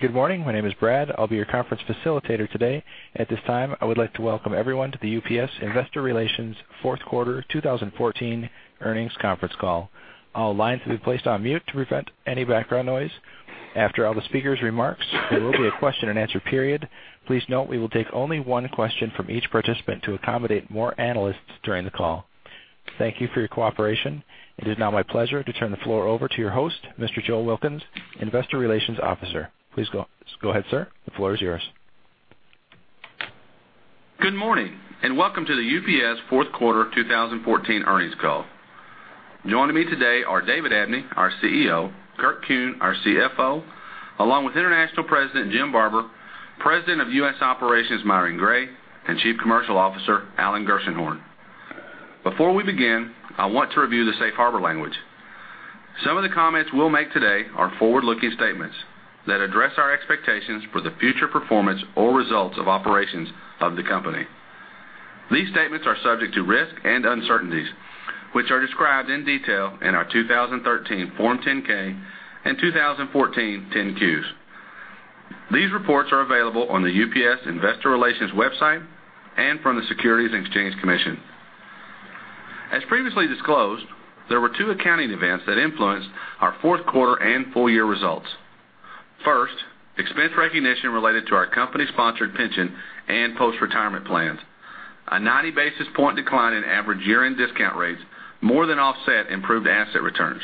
Good morning. My name is Brad. I'll be your conference facilitator today. At this time, I would like to welcome everyone to the UPS Investor Relations Q4 2014 earnings conference call. All lines will be placed on mute to prevent any background noise. After all the speakers' remarks, there will be a Q&A period. Please note we will take only one question from each participant to accommodate more analysts during the call. Thank you for your cooperation. It is now my pleasure to turn the floor over to your host, Mr. Joe Wilkins, Investor Relations Officer. Please go, go ahead, sir. The floor is yours. Good morning, and welcome to the UPS Q4 of 2014 earnings call. Joining me today are David Abney, our CEO, Kurt Kuehn, our CFO, along with International President Jim Barber, President of US Operations Myron Gray, and Chief Commercial Officer Alan Gershenhorn. Before we begin, I want to review the safe harbor language. Some of the comments we'll make today are forward-looking statements that address our expectations for the future performance or results of operations of the company. These statements are subject to risks and uncertainties, which are described in detail in our 2013 Form 10-K and 2014 10-Qs. These reports are available on the UPS Investor Relations website and from the Securities and Exchange Commission. As previously disclosed, there were two accounting events that influenced our Q4 and full-year results. First, expense recognition related to our company-sponsored pension and post-retirement plans. A 90 basis point decline in average year-end discount rates more than offset improved asset returns.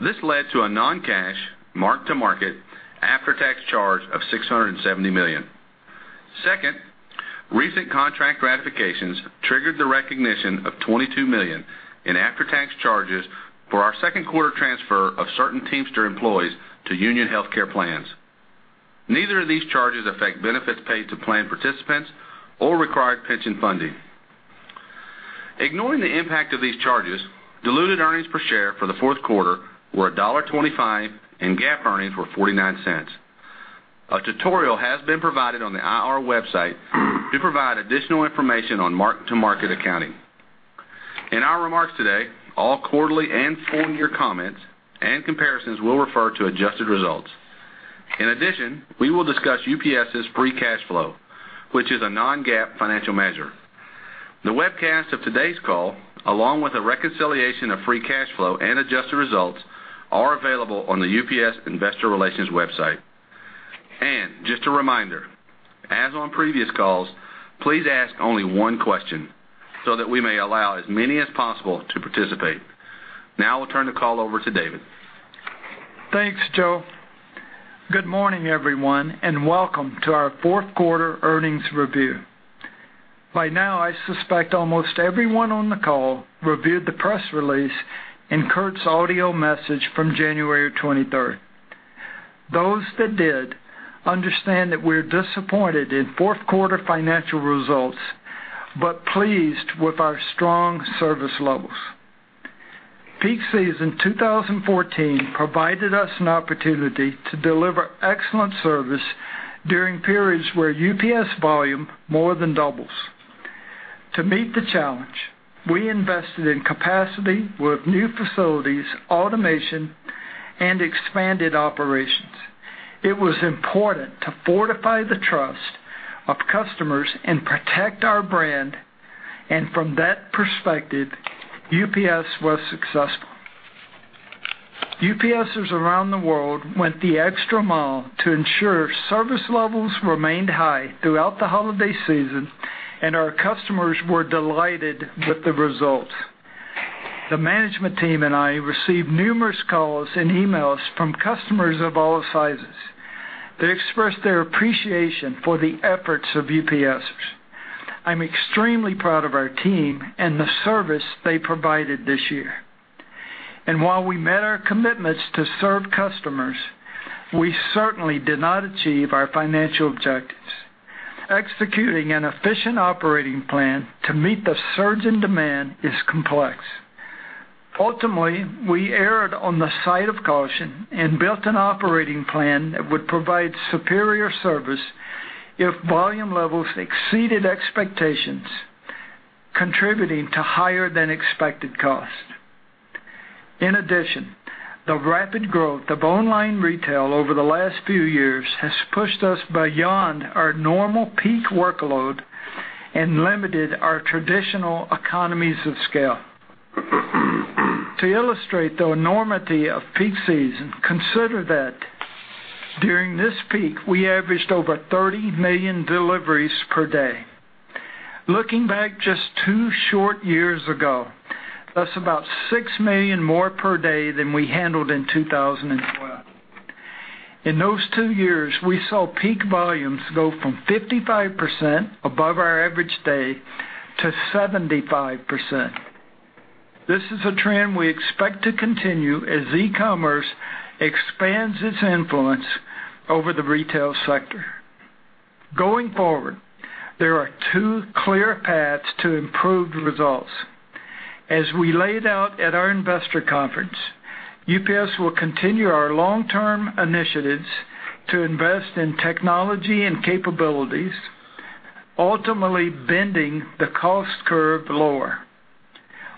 This led to a non-cash, mark-to-market, after-tax charge of $670 million. Second, recent contract ratifications triggered the recognition of $22 million in after-tax charges for our Q2 transfer of certain Teamster employees to union healthcare plans. Neither of these charges affect benefits paid to plan participants or required pension funding. Ignoring the impact of these charges, diluted earnings per share for the Q4 were $1.25, and GAAP earnings were $0.49. A tutorial has been provided on the IR website to provide additional information on mark-to-market accounting. In our remarks today, all quarterly and full-year comments and comparisons will refer to Adjusted Results. In addition, we will discuss UPS's free cash flow, which is a non-GAAP financial measure. The webcast of today's call, along with a reconciliation of free cash flow and adjusted results, are available on the UPS Investor Relations website. Just a reminder, as on previous calls, please ask only one question, so that we may allow as many as possible to participate. Now I'll turn the call over to David. Thanks, Joe. Good morning, everyone, and welcome to our Q4 earnings review. By now, I suspect almost everyone on the call reviewed the press release and Kurt's audio message from January 23. Those that did understand that we're disappointed in Q4 financial results, but pleased with our strong service levels. Peak season 2014 provided us an opportunity to deliver excellent service during periods where UPS volume more than doubles. To meet the challenge, we invested in capacity with new facilities, automation, and expanded operations. It was important to fortify the trust of customers and protect our brand, and from that perspective, UPS was successful. UPSers around the world went the extra mile to ensure service levels remained high throughout the holiday season, and our customers were delighted with the results. The management team and I received numerous calls and emails from customers of all sizes. They expressed their appreciation for the efforts of UPSers. I'm extremely proud of our team and the service they provided this year. And while we met our commitments to serve customers, we certainly did not achieve our financial objectives. Executing an efficient operating plan to meet the surge in demand is complex. Ultimately, we erred on the side of caution and built an operating plan that would provide superior service if volume levels exceeded expectations, contributing to higher-than-expected costs. In addition, the rapid growth of online retail over the last few years has pushed us beyond our normal peak workload and limited our traditional economies of scale. To illustrate the enormity of peak season, consider that during this peak, we averaged over 30 million deliveries per day. Looking back just two short years ago, that's about 6 million more per day than we handled in 2012. In those two years, we saw peak volumes go from 55% above our average day to 75%. This is a trend we expect to continue as e-commerce expands its influence over the retail sector. Going forward, there are two clear paths to improved results. As we laid out at our investor conference, UPS will continue our long-term initiatives to invest in technology and capabilities, ultimately bending the cost curve lower,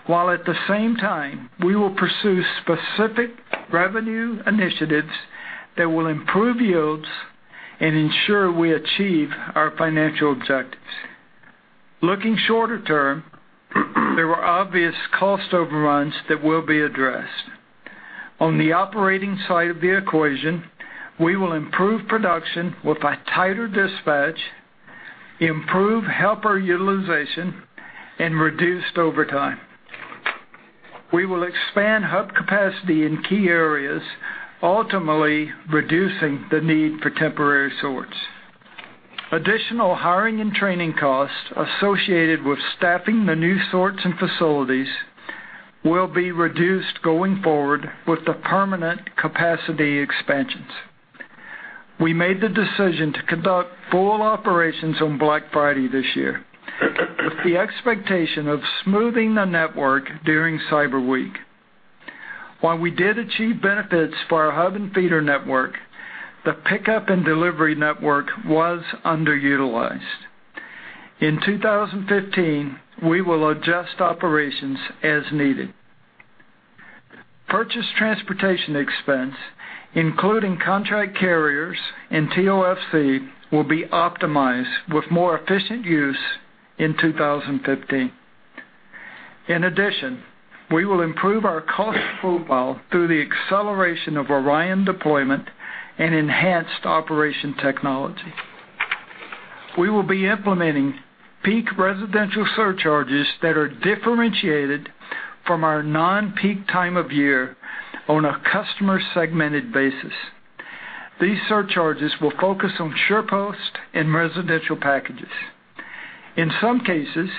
while at the same time, we will pursue specific revenue initiatives that will improve yields and ensure we achieve our financial objectives. Looking shorter term, there were obvious cost overruns that will be addressed. On the operating side of the equation, we will improve production with a tighter dispatch, improve helper utilization, and reduced overtime. We will expand hub capacity in key areas, ultimately reducing the need for temporary sorts. Additional hiring and training costs associated with staffing the new sorts and facilities will be reduced going forward with the permanent capacity expansions. We made the decision to conduct full operations on Black Friday this year, with the expectation of smoothing the network during Cyber Week. While we did achieve benefits for our hub and feeder network, the pickup and delivery network was underutilized. In 2015, we will adjust operations as needed. Purchase transportation expense, including contract carriers and TOFC, will be optimized with more efficient use in 2015. In addition, we will improve our cost profile through the acceleration of ORION deployment and enhanced operation technology. We will be implementing peak residential surcharges that are differentiated from our non-peak time of year on a customer segmented basis. These surcharges will focus on SurePost and residential packages. In some cases,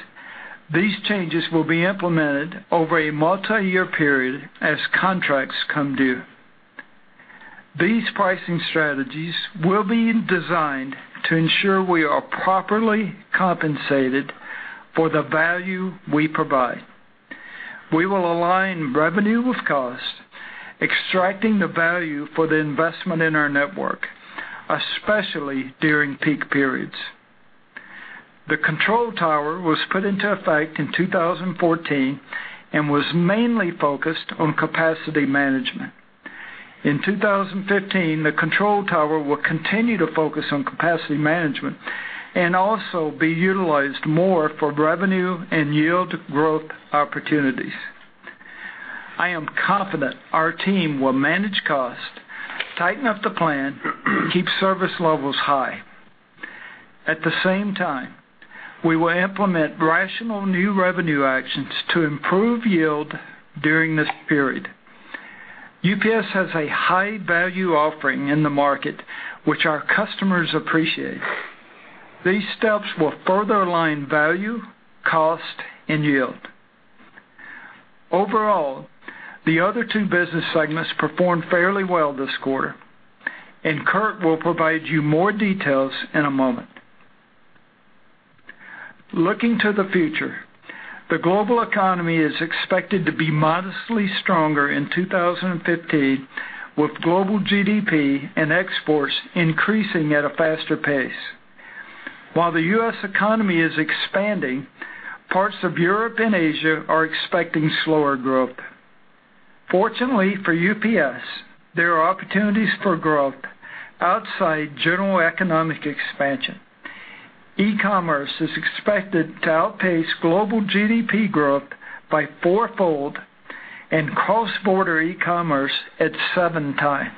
these changes will be implemented over a multiyear period as contracts come due. These pricing strategies will be designed to ensure we are properly compensated for the value we provide. We will align revenue with cost, extracting the value for the investment in our network, especially during peak periods. The Control Tower was put into effect in 2014 and was mainly focused on capacity management. In 2015, the Control Tower will continue to focus on capacity management and also be utilized more for revenue and yield growth opportunities. I am confident our team will manage costs, tighten up the plan, keep service levels high. At the same time, we will implement rational new revenue actions to improve yield during this period. UPS has a high-value offering in the market, which our customers appreciate. These steps will further align value, cost, and yield. Overall, the other two business segments performed fairly well this quarter, and Kurt will provide you more details in a moment. Looking to the future, the global economy is expected to be modestly stronger in 2015, with global GDP and exports increasing at a faster pace. While the U.S. economy is expanding, parts of Europe and Asia are expecting slower growth. Fortunately, for UPS, there are opportunities for growth outside general economic expansion. E-commerce is expected to outpace global GDP growth by fourfold and cross-border e-commerce at seven times.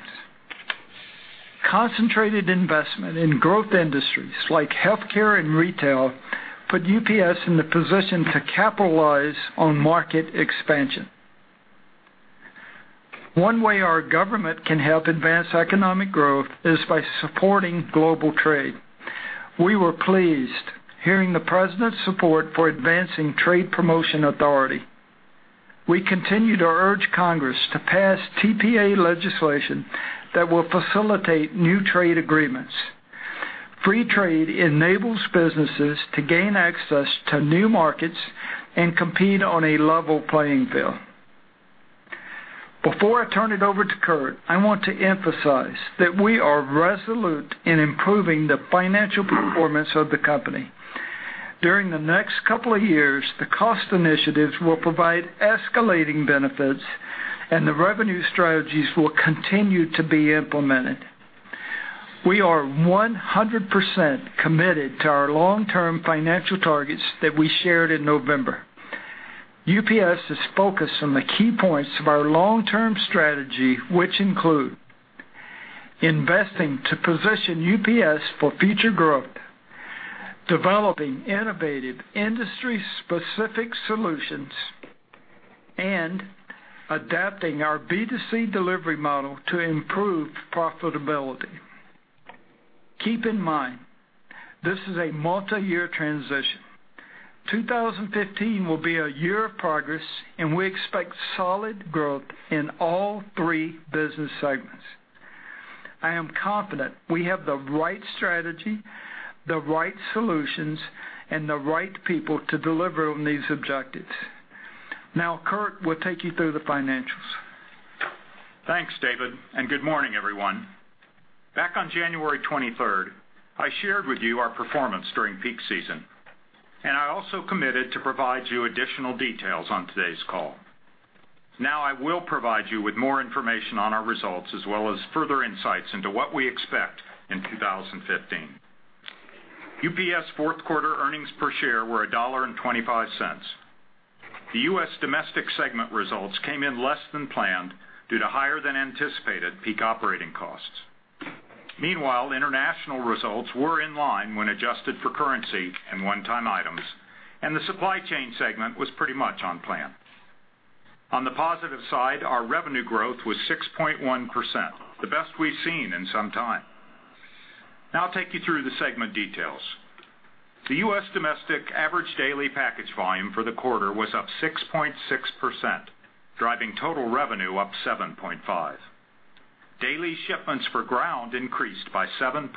Concentrated investment in growth industries like healthcare and retail, put UPS in the position to capitalize on market expansion. One way our government can help advance economic growth is by supporting global trade. We were pleased hearing the President's support for advancing Trade Promotion Authority. We continue to urge Congress to pass TPA legislation that will facilitate new trade agreements. Free trade enables businesses to gain access to new markets and compete on a level playing field. Before I turn it over to Kurt, I want to emphasize that we are resolute in improving the financial performance of the company. During the next couple of years, the cost initiatives will provide escalating benefits, and the revenue strategies will continue to be implemented. We are 100% committed to our long-term financial targets that we shared in November. UPS is focused on the key points of our long-term strategy, which include investing to position UPS for future growth, developing innovative industry-specific solutions, and adapting our B2C delivery model to improve profitability. Keep in mind, this is a multiyear transition. 2015 will be a year of progress, and we expect solid growth in all three business segments. I am confident we have the right strategy, the right solutions, and the right people to deliver on these objectives. Now, Kurt will take you through the financials. Thanks, David, and good morning, everyone. Back on January 23rd, I shared with you our performance during peak season, and I also committed to provide you additional details on today's call. Now I will provide you with more information on our results, as well as further insights into what we expect in 2015. UPS Q4 earnings per share were $1.25. The US domestic segment results came in less than planned due to higher than anticipated peak operating costs. Meanwhile, international results were in line when adjusted for currency and one-time items, and the supply chain segment was pretty much on plan. On the positive side, our revenue growth was 6.1%, the best we've seen in some time. Now I'll take you through the segment details. The U.S. domestic average daily package volume for the quarter was up 6.6%, driving total revenue up 7.5%. Daily shipments for Ground increased by 7%,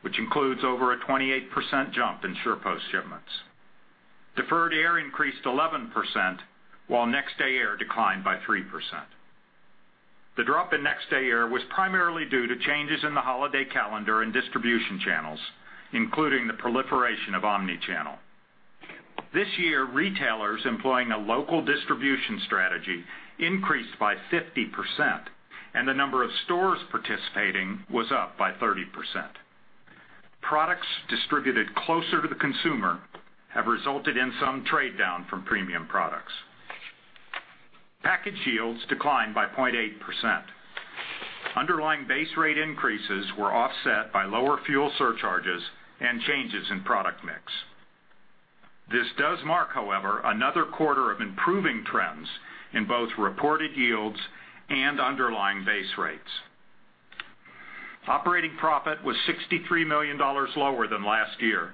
which includes over a 28% jump in SurePost shipments. Deferred Air increased 11%, while Next Day Air declined by 3%. The drop in Next Day Air was primarily due to changes in the holiday calendar and distribution channels, including the proliferation of omni-channel. This year, retailers employing a local distribution strategy increased by 50%, and the number of stores participating was up by 30%. Products distributed closer to the consumer have resulted in some trade-down from premium products. Package yields declined by 0.8%. Underlying base rate increases were offset by lower fuel surcharges and changes in product mix. This does mark, however, another quarter of improving trends in both reported yields and underlying base rates. Operating profit was $63 million lower than last year,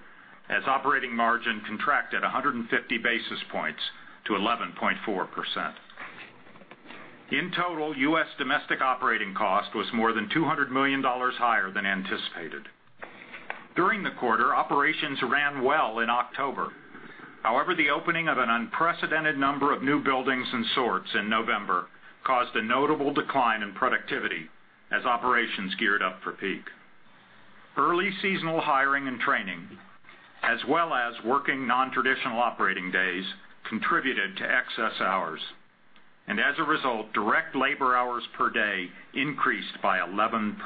as operating margin contracted 150 basis points to 11.4%. In total, US domestic operating cost was more than $200 million higher than anticipated. During the quarter, operations ran well in October. However, the opening of an unprecedented number of new buildings and sorts in November caused a notable decline in productivity as operations geared up for peak. Early seasonal hiring and training, as well as working nontraditional operating days, contributed to excess hours, and as a result, direct labor hours per day increased by 11%.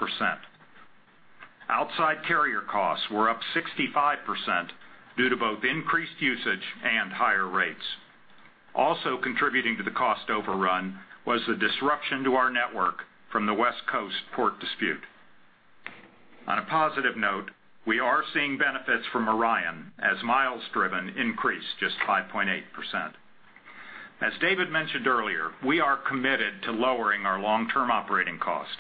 Outside carrier costs were up 65% due to both increased usage and higher rates. Also contributing to the cost overrun was the disruption to our network from the West Coast port dispute. On a positive note, we are seeing benefits from ORION as miles driven increased just 5.8%. As David mentioned earlier, we are committed to lowering our long-term operating cost,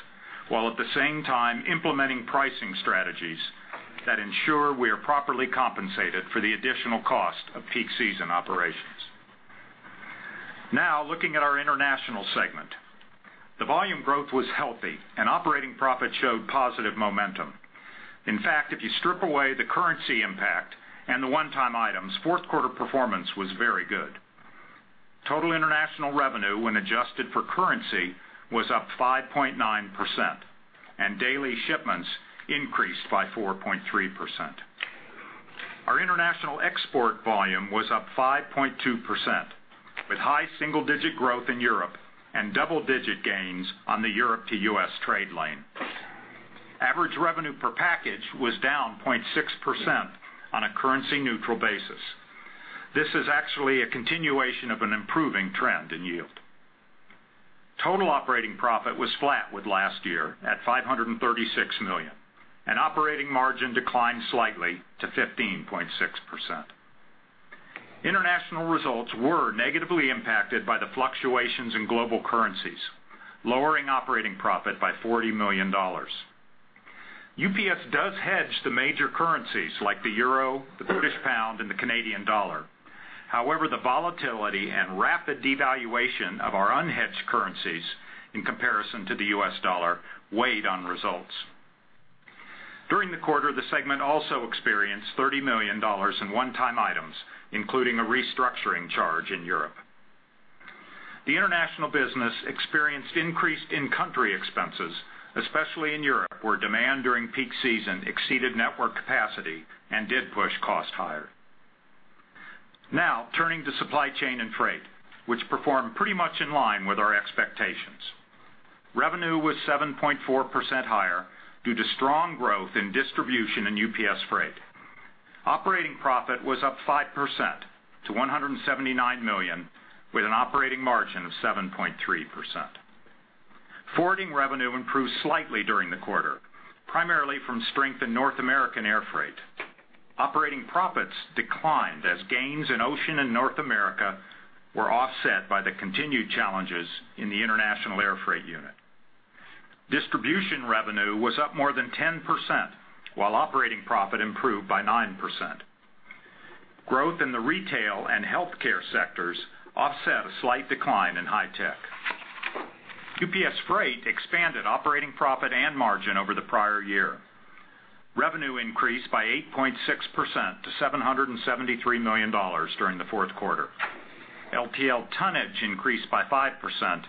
while at the same time, implementing pricing strategies that ensure we are properly compensated for the additional cost of peak season operations. Now, looking at our international segment. The volume growth was healthy and operating profit showed positive momentum. In fact, if you strip away the currency impact and the one-time items, Q4 performance was very good. Total international revenue, when adjusted for currency, was up 5.9%, and daily shipments increased by 4.3%. Our international export volume was up 5.2%, with high single-digit growth in Europe and double-digit gains on the Europe to U.S. trade lane. Average revenue per package was down 0.6% on a currency-neutral basis. This is actually a continuation of an improving trend in yield. Total operating profit was flat with last year at $536 million, and operating margin declined slightly to 15.6%. International results were negatively impacted by the fluctuations in global currencies, lowering operating profit by $40 million. UPS does hedge the major currencies like the euro, the British pound, and the Canadian dollar. However, the volatility and rapid devaluation of our unhedged currencies in comparison to the U.S. dollar weighed on results. During the quarter, the segment also experienced $30 million in one-time items, including a restructuring charge in Europe. The international business experienced increased in-country expenses, especially in Europe, where demand during peak season exceeded network capacity and did push cost higher. Now, turning to supply chain and freight, which performed pretty much in line with our expectations. Revenue was 7.4% higher due to strong growth in distribution in UPS Freight. Operating profit was up 5% to $179 million, with an operating margin of 7.3%. Forwarding revenue improved slightly during the quarter, primarily from strength in North American air freight. Operating profits declined as gains in ocean and North America were offset by the continued challenges in the international air freight unit. Distribution revenue was up more than 10%, while operating profit improved by 9%. Growth in the retail and healthcare sectors offset a slight decline in high tech. UPS Freight expanded operating profit and margin over the prior year. Revenue increased by 8.6% to $773 million during the Q4. LTL tonnage increased by 5%,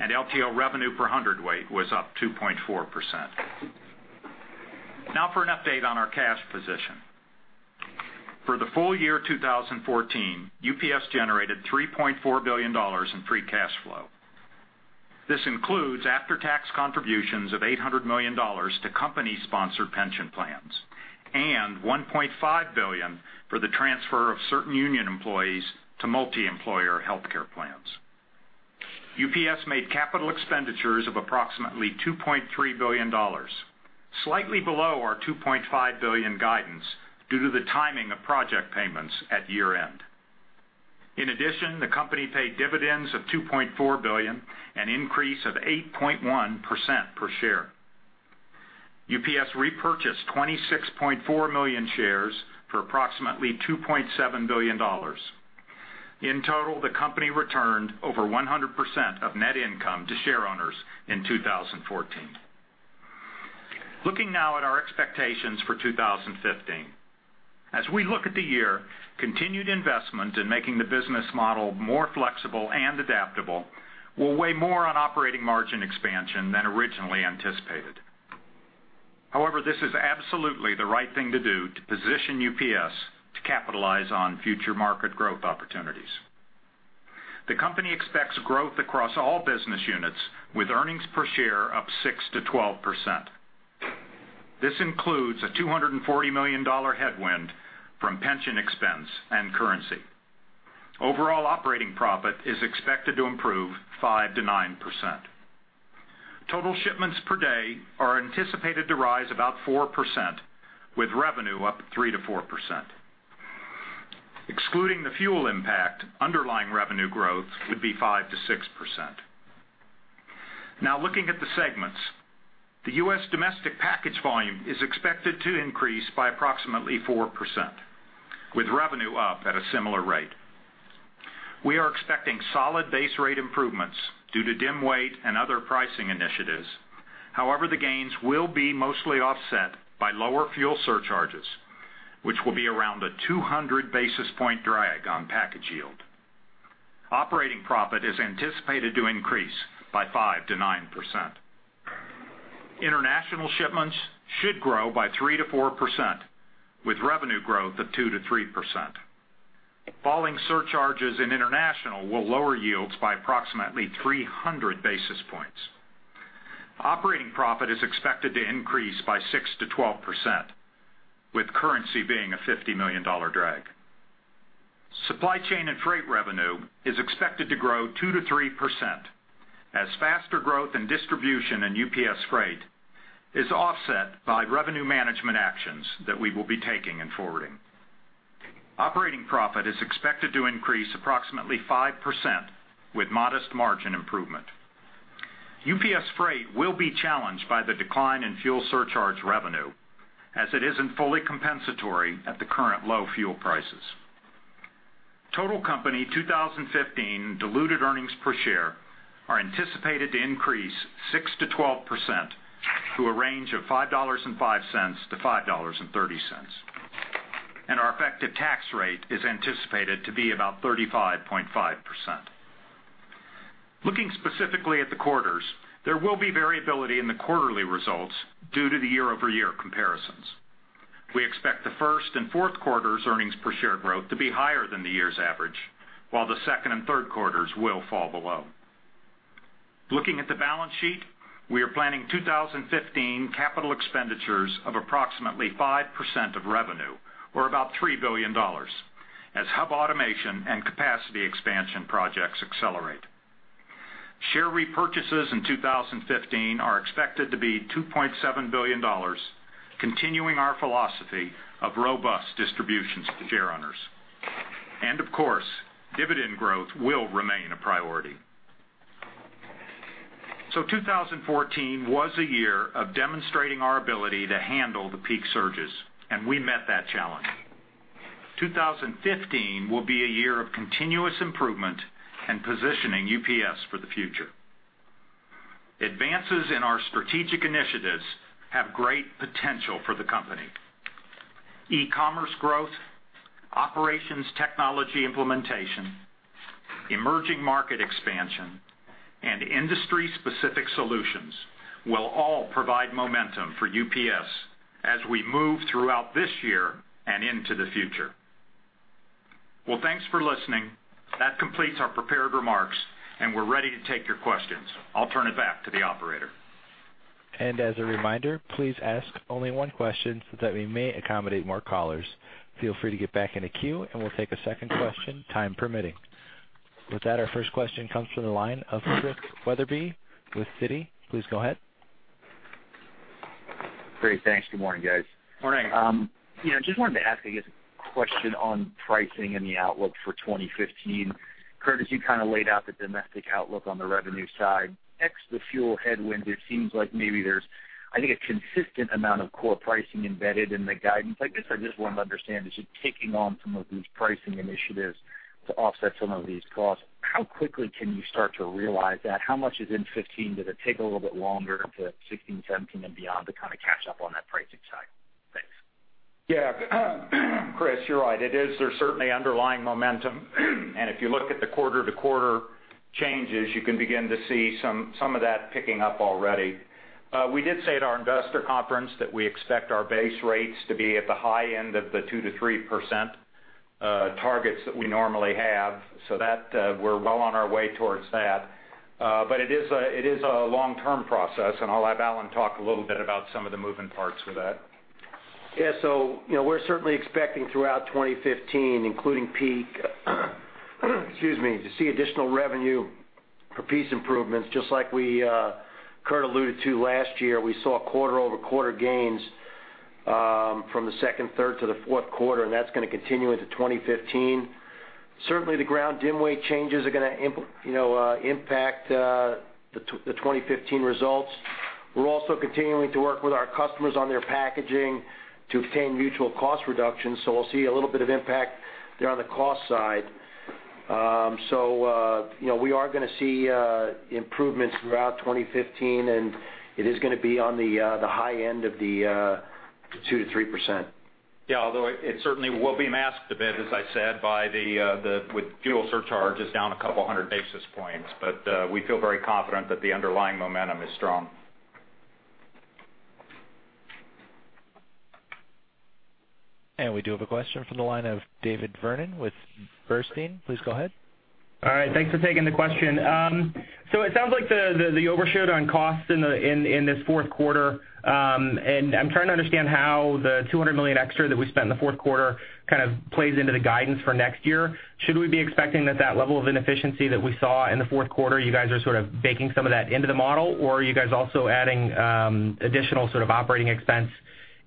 and LTL revenue per hundredweight was up 2.4%. Now for an update on our cash position. For the full year 2014, UPS generated $3.4 billion in free cash flow. This includes after-tax contributions of $800 million to company-sponsored pension plans and $1.5 billion for the transfer of certain union employees to multi-employer healthcare plans. UPS made capital expenditures of approximately $2.3 billion, slightly below our $2.5 billion guidance, due to the timing of project payments at year-end. In addition, the company paid dividends of $2.4 billion, an increase of 8.1% per share. UPS repurchased 26.4 million shares for approximately $2.7 billion. In total, the company returned over 100% of net income to shareowners in 2014. Looking now at our expectations for 2015. As we look at the year, continued investment in making the business model more flexible and adaptable will weigh more on operating margin expansion than originally anticipated. However, this is absolutely the right thing to do to position UPS to capitalize on future market growth opportunities. The company expects growth across all business units, with earnings per share up 6%-12%. This includes a $240 million headwind from pension expense and currency. Overall operating profit is expected to improve 5%-9%. Total shipments per day are anticipated to rise about 4%, with revenue up 3%-4%. Excluding the fuel impact, underlying revenue growth would be 5%-6%. Now, looking at the segments, the U.S. domestic package volume is expected to increase by approximately 4%, with revenue up at a similar rate. We are expecting solid base rate improvements due to DIM Weight and other pricing initiatives. However, the gains will be mostly offset by lower fuel surcharges, which will be around a 200 basis point drag on package yield. Operating profit is anticipated to increase by 5%-9%. International shipments should grow by 3%-4%, with revenue growth of 2%-3%. Falling surcharges in international will lower yields by approximately 300 basis points. Operating profit is expected to increase by 6%-12%, with currency being a $50 million drag. Supply Chain and Freight revenue is expected to grow 2%-3%, as faster growth in distribution and UPS Freight is offset by revenue management actions that we will be taking in forwarding. Operating profit is expected to increase approximately 5%, with modest margin improvement. UPS Freight will be challenged by the decline in fuel surcharge revenue, as it isn't fully compensatory at the current low fuel prices. Total company 2015 diluted earnings per share are anticipated to increase 6%-12% to a range of $5.05-$5.30, and our effective tax rate is anticipated to be about 35.5%. Looking specifically at the quarters, there will be variability in the quarterly results due to the year-over-year comparisons. We expect the first and Q4s earnings per share growth to be higher than the year's average, while the second and Q3s will fall below. Looking at the balance sheet, we are planning 2015 capital expenditures of approximately 5% of revenue, or about $3 billion, as hub automation and capacity expansion projects accelerate. Share repurchases in 2015 are expected to be $2.7 billion, continuing our philosophy of robust distributions to shareowners. And of course, dividend growth will remain a priority. 2014 was a year of demonstrating our ability to handle the peak surges, and we met that challenge. 2015 will be a year of continuous improvement and positioning UPS for the future. Advances in our strategic initiatives have great potential for the company. E-commerce growth, operations technology implementation, emerging market expansion, and industry-specific solutions will all provide momentum for UPS as we move throughout this year and into the future. Well, thanks for listening. That completes our prepared remarks, and we're ready to take your questions. I'll turn it back to the operator. As a reminder, please ask only one question so that we may accommodate more callers. Feel free to get back in the queue, and we'll take a second question, time permitting. With that, our first question comes from the line of Christian Wetherbee with Citi. Please go ahead. Great, thanks. Good morning, guys. Morning. Just wanted to ask, I guess, a question on pricing and the outlook for 2015. Kurt, you laid out the domestic outlook on the revenue side. Ex the fuel headwind, it seems like maybe there's, I think, a consistent amount of core pricing embedded in the guidance. I guess, I just want to understand, as you're taking on some of these pricing initiatives to offset some of these costs, how quickly can you start to realize that? How much is in 2015? Does it take a little bit longer into 2016, 2017 and beyond to catch up on that pricing side? Thanks. Chris, you're right. It is. There's certainly underlying momentum. And if you look at the quarter-to-quarter changes, you can begin to see some of that picking up already. We did say at our investor conference that we expect our base rates to be at the high end of the 2%-3% targets that we normally have. So that, we're well on our way towards that. But it is a, it is a long-term process, and I'll have Alan talk a little bit about some of the moving parts with that. So you know, we're certainly expecting throughout 2015, including peak, excuse me, to see additional revenue per piece improvements, just like we, Kurt alluded to last year. We saw quarter-over-quarter gains from the second, third to the Q4, and that's gonna continue into 2015. Certainly, the Ground DIM Weight changes are gonna impact the 2015 results. We're also continuing to work with our customers on their packaging to obtain mutual cost reductions, so we'll see a little bit of impact there on the cost side. So, you know, we are gonna see improvements throughout 2015, and it is gonna be on the high end of the 2%-3%. Although it certainly will be masked a bit, as I said, by the, with fuel surcharges down 200 basis points. But, we feel very confident that the underlying momentum is strong. We do have a question from the line of David Vernon with Bernstein. Please go ahead. All right, thanks for taking the question. So it sounds like the overshoot on costs in this Q4, and I'm trying to understand how the $200 million extra that we spent in the Q4 plays into the guidance for next year. Should we be expecting that level of inefficiency that we saw in the Q4, you guys are baking some of that into the model? Or are you guys also adding additional operating expense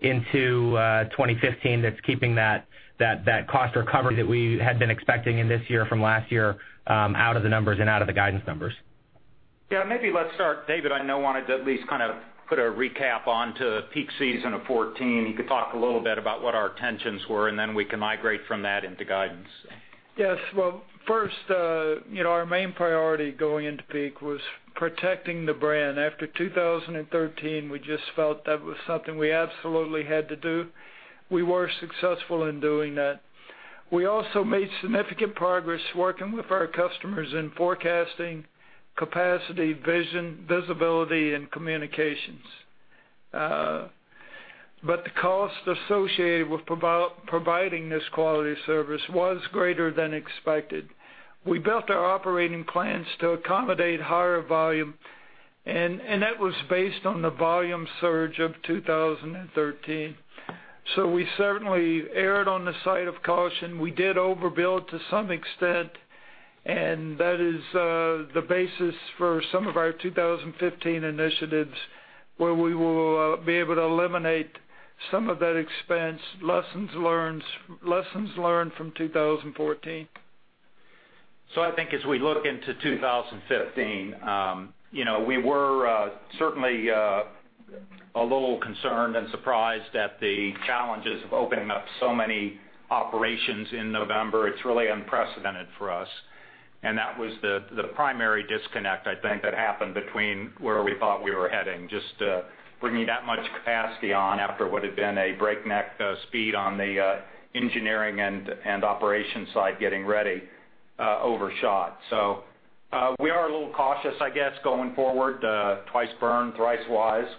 into 2015 that's keeping that cost recovery that we had been expecting in this year from last year out of the numbers and out of the guidance numbers? Maybe let's start. David, I know, wanted to at least put a recap onto peak season of 14. He could talk a little bit about what our intentions were, and then we can migrate from that into guidance. Yes. Well, first, you know, our main priority going into peak was protecting the brand. After 2013, we just felt that was something we absolutely had to do. We were successful in doing that. We also made significant progress working with our customers in forecasting, capacity, vision, visibility, and communications. But the cost associated with providing this quality of service was greater than expected. We built our operating plans to accommodate higher volume, and that was based on the volume surge of 2013. So we certainly erred on the side of caution. We did overbuild to some extent, and that is the basis for some of our 2015 initiatives, where we will be able to eliminate some of that expense, lessons learned from 2014. So I think as we look into 2015, you know, we were certainly a little concerned and surprised at the challenges of opening up so many operations in November. It's really unprecedented for us, and that was the primary disconnect, I think, that happened between where we thought we were heading. Just bringing that much capacity on after what had been a breakneck speed on the engineering and operations side, getting ready, overshot. So we are a little cautious, I guess, going forward, twice burned, thrice wise.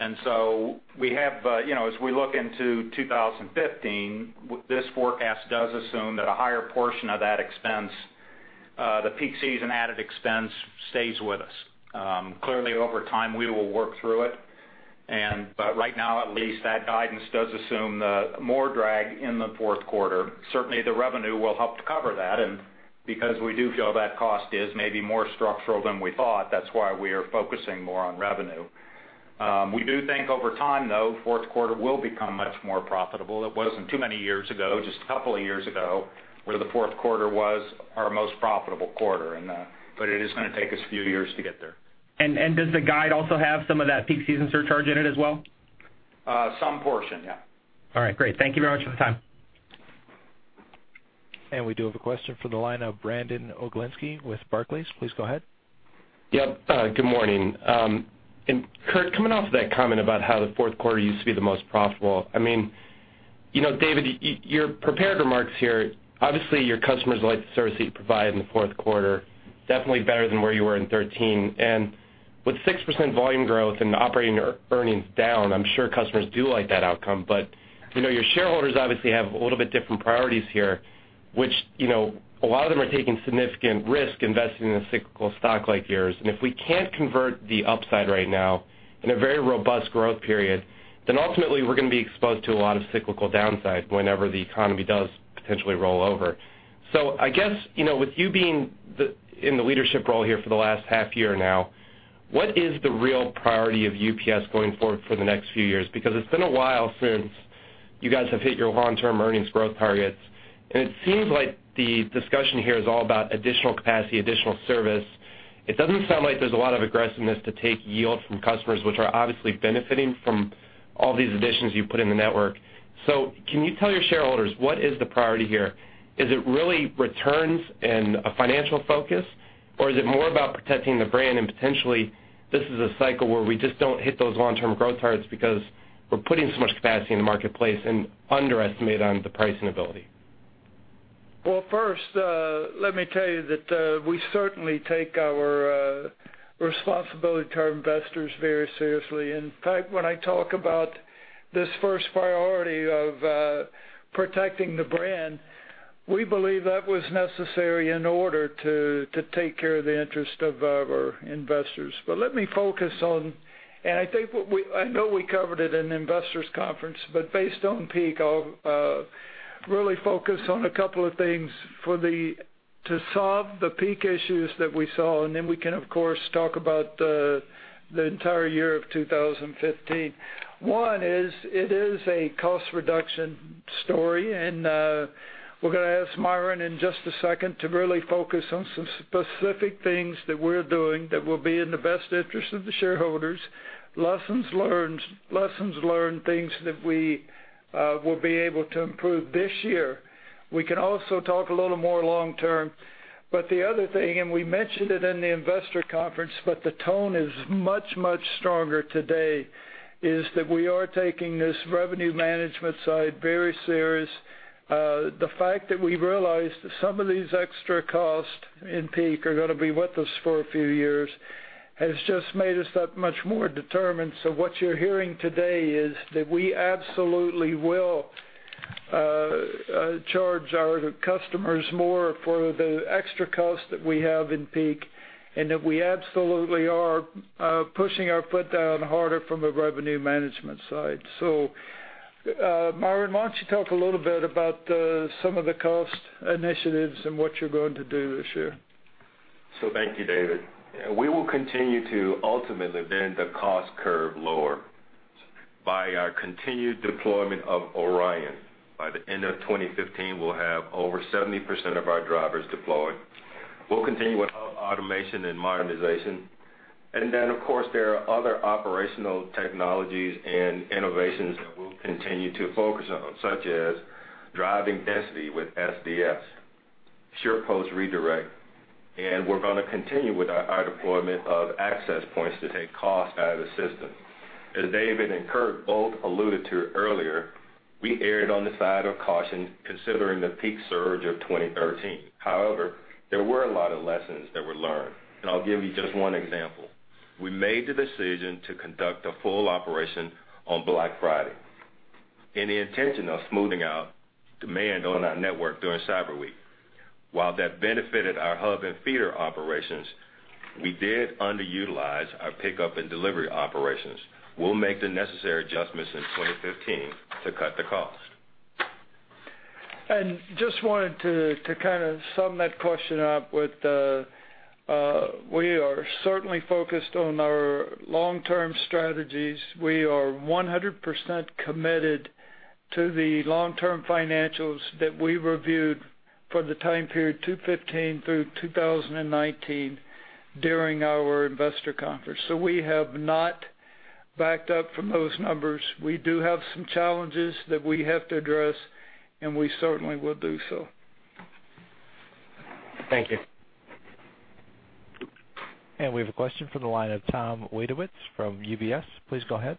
And so we have, you know, as we look into 2015, this forecast does assume that a higher portion of that expense, the peak season added expense, stays with us. Clearly, over time, we will work through it, and but right now, at least, that guidance does assume the more drag in the Q4. Certainly, the revenue will help to cover that, and because we do feel that cost is maybe more structural than we thought, that's why we are focusing more on revenue. We do think over time, though, Q4 will become much more profitable. It wasn't too many years ago, just a couple of years ago, where the Q4 was our most profitable quarter, and but it is gonna take us a few years to get there. And, does the guide also have some of that peak season surcharge in it as well? Some portion. All right, great. Thank you very much for the time. We do have a question from the line of Brandon Oglenski with Barclays. Please go ahead. Yep, good morning. And Kurt, coming off of that comment about how the Q4 used to be the most profitable, I mean, you know, David, your prepared remarks here, obviously, your customers like the service that you provide in the Q4, definitely better than where you were in 2013. And with 6% volume growth and operating earnings down, I'm sure customers do like that outcome. But, you know, your shareholders obviously have a little bit different priorities here, which, you know, a lot of them are taking significant risk investing in a cyclical stock like yours. And if we can't convert the upside right now in a very robust growth period, then ultimately we're gonna be exposed to a lot of cyclical downside whenever the economy does potentially roll over. So I guess, you know, with you being in the leadership role here for the last half year now, what is the real priority of UPS going forward for the next few years? Because it's been a while since you guys have hit your long-term earnings growth targets, and it seems like the discussion here is all about additional capacity, additional service. It doesn't sound like there's a lot of aggressiveness to take yield from customers, which are obviously benefiting from all these additions you've put in the network. So can you tell your shareholders what is the priority here? Is it really returns and a financial focus, or is it more about protecting the brand and potentially this is a cycle where we just don't hit those long-term growth targets because we're putting so much capacity in the marketplace and underestimate on the pricing ability? Well, first, let me tell you that we certainly take our responsibility to our investors very seriously. In fact, when I talk about this first priority of protecting the brand, we believe that was necessary in order to take care of the interest of our investors. But let me focus on, and I think what we, I know we covered it in Investors Conference, but based on peak, I'll really focus on a couple of things to solve the peak issues that we saw, and then we can, of course, talk about the entire year of 2015. One is, it is a cost reduction story, and, we're going to ask Myron in just a second to really focus on some specific things that we're doing that will be in the best interest of the shareholders, lessons learned, lessons learned, things that we will be able to improve this year. We can also talk a little more long term, but the other thing, and we mentioned it in the Investor Conference, but the tone is much, much stronger today, is that we are taking this revenue management side very serious. The fact that we realized that some of these extra costs in peak are going to be with us for a few years has just made us that much more determined. So what you're hearing today is that we absolutely will charge our customers more for the extra cost that we have in peak, and that we absolutely are pushing our foot down harder from a revenue management side. So, Myron, why don't you talk a little bit about some of the cost initiatives and what you're going to do this year? So thank you, David. We will continue to ultimately bend the cost curve lower by our continued deployment of ORION. By the end of 2015, we'll have over 70% of our drivers deployed. We'll continue with hub automation and modernization. And then, of course, there are other operational technologies and innovations that we'll continue to focus on, such as driving density with SDS, SurePost Redirect, and we're going to continue with our, our deployment of Access Points to take cost out of the system. As David and Kurt both alluded to earlier, we erred on the side of caution, considering the peak surge of 2013. However, there were a lot of lessons that were learned. And I'll give you just one example. We made the decision to conduct a full operation on Black Friday in the intention of smoothing out demand on our network during Cyber Week. While that benefited our hub and feeder operations, we did underutilize our pickup and delivery operations. We'll make the necessary adjustments in 2015 to cut the cost. Just wanted to sum that question up with, we are certainly focused on our long-term strategies. We are 100% committed to the long-term financials that we reviewed for the time period 2015 through 2019 during our investor conference. So we have not backed up from those numbers. We do have some challenges that we have to address, and we certainly will do so. Thank you. We have a question from the line of Tom Wadewitz from UBS. Please go ahead.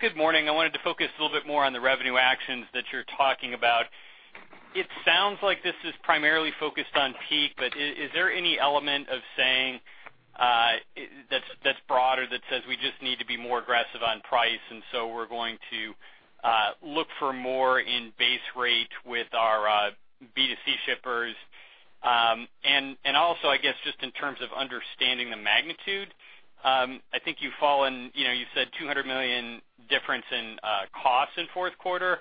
Good morning. I wanted to focus a little bit more on the revenue actions that you're talking about. It sounds like this is primarily focused on peak, but is there any element of saying, that's, that's broader, that says we just need to be more aggressive on price, and so we're going to look for more in base rate with our B2C shippers? And also, I guess, just in terms of understanding the magnitude, I think you've fallen, you know, you've said $200 million difference in cost in Q4.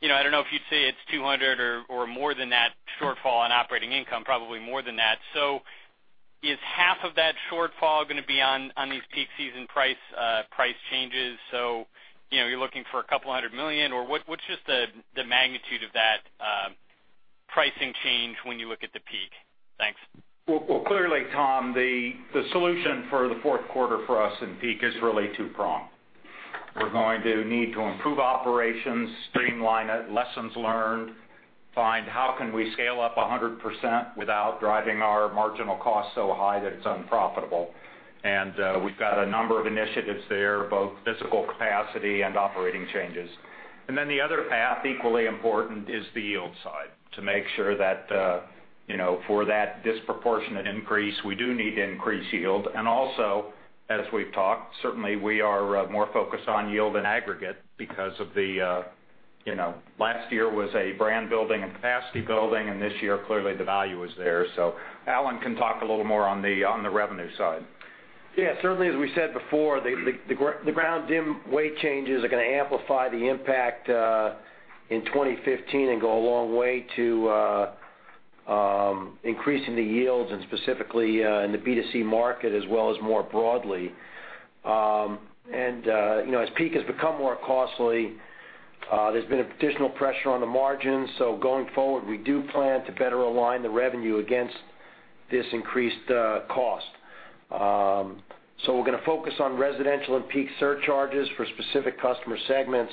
You know, I don't know if you'd say it's $200 or more than that shortfall on operating income, probably more than that. So is half of that shortfall going to be on these peak season price changes? You know, you're looking for $200 million, or what? What's just the magnitude of that pricing change when you look at the peak? Thanks. Well, well, clearly, Tom, the solution for the Q4 for us in peak is really two-pronged. We're going to need to improve operations, streamline it, lessons learned, find how can we scale up 100% without driving our marginal cost so high that it's unprofitable. We've got a number of initiatives there, both physical capacity and operating changes. And then the other half, equally important, is the yield side, to make sure that, you know, for that disproportionate increase, we do need to increase yield. Also, as we've talked, certainly we are more focused on yield in aggregate because of the, you know, last year was a brand building and capacity building, and this year, clearly the value is there. So Alan can talk a little more on the revenue side. Certainly, as we said before, the Ground DIM Weight changes are going to amplify the impact in 2015 and go a long way to increasing the yields and specifically in the B2C market as well as more broadly. And you know, as peak has become more costly. There's been additional pressure on the margins. So going forward, we do plan to better align the revenue against this increased cost. So we're going to focus on residential and peak surcharges for specific customer segments.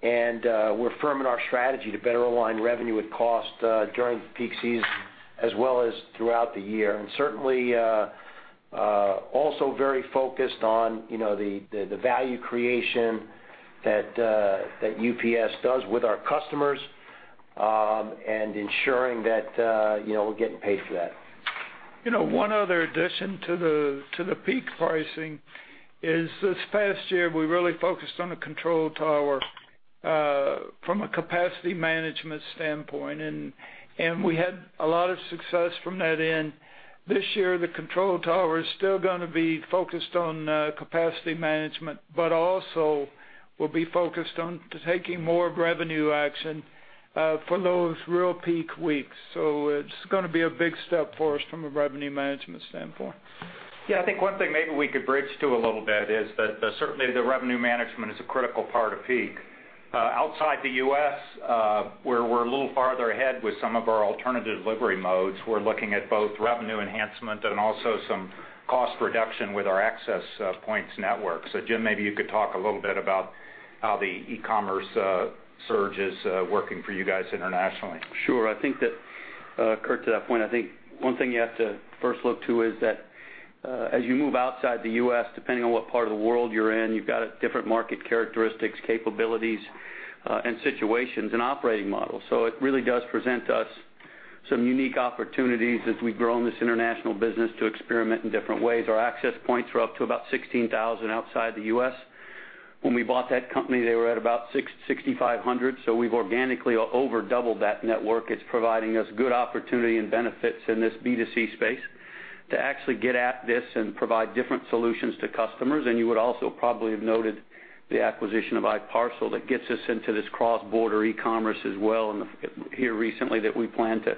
And we're firm in our strategy to better align revenue with cost during the peak season as well as throughout the year. And certainly also very focused on, you know, the value creation that UPS does with our customers, and ensuring that, you know, we're getting paid for that. You know, one other addition to the peak pricing is this past year, we really focused on the Control Tower from a capacity management standpoint, and we had a lot of success from that end. This year, the Control Tower is still going to be focused on capacity management, but also will be focused on taking more revenue action for those real peak weeks. So it's going to be a big step for us from a revenue management standpoint. I think one thing maybe we could bridge to a little bit is that certainly the revenue management is a critical part of peak. Outside the U.S., where we're a little farther ahead with some of our alternative delivery modes, we're looking at both revenue enhancement and also some cost reduction with our Access Points network. So Jim, maybe you could talk a little bit about how the e-commerce surge is working for you guys internationally. Sure. I think that, Kurt, to that point, I think one thing you have to first look to is that, as you move outside the U.S., depending on what part of the world you're in, you've got a different market characteristics, capabilities, and situations and operating models. So it really does present us some unique opportunities as we grow in this international business to experiment in different ways. Our Access Points are up to about 16,000 outside the U.S. When we bought that company, they were at about 8,000, so we've organically over doubled that network. It's providing us good opportunity and benefits in this B2C space to actually get at this and provide different solutions to customers. You would also probably have noted the acquisition of i-Parcel that gets us into this cross-border e-commerce as well, and here recently, that we plan to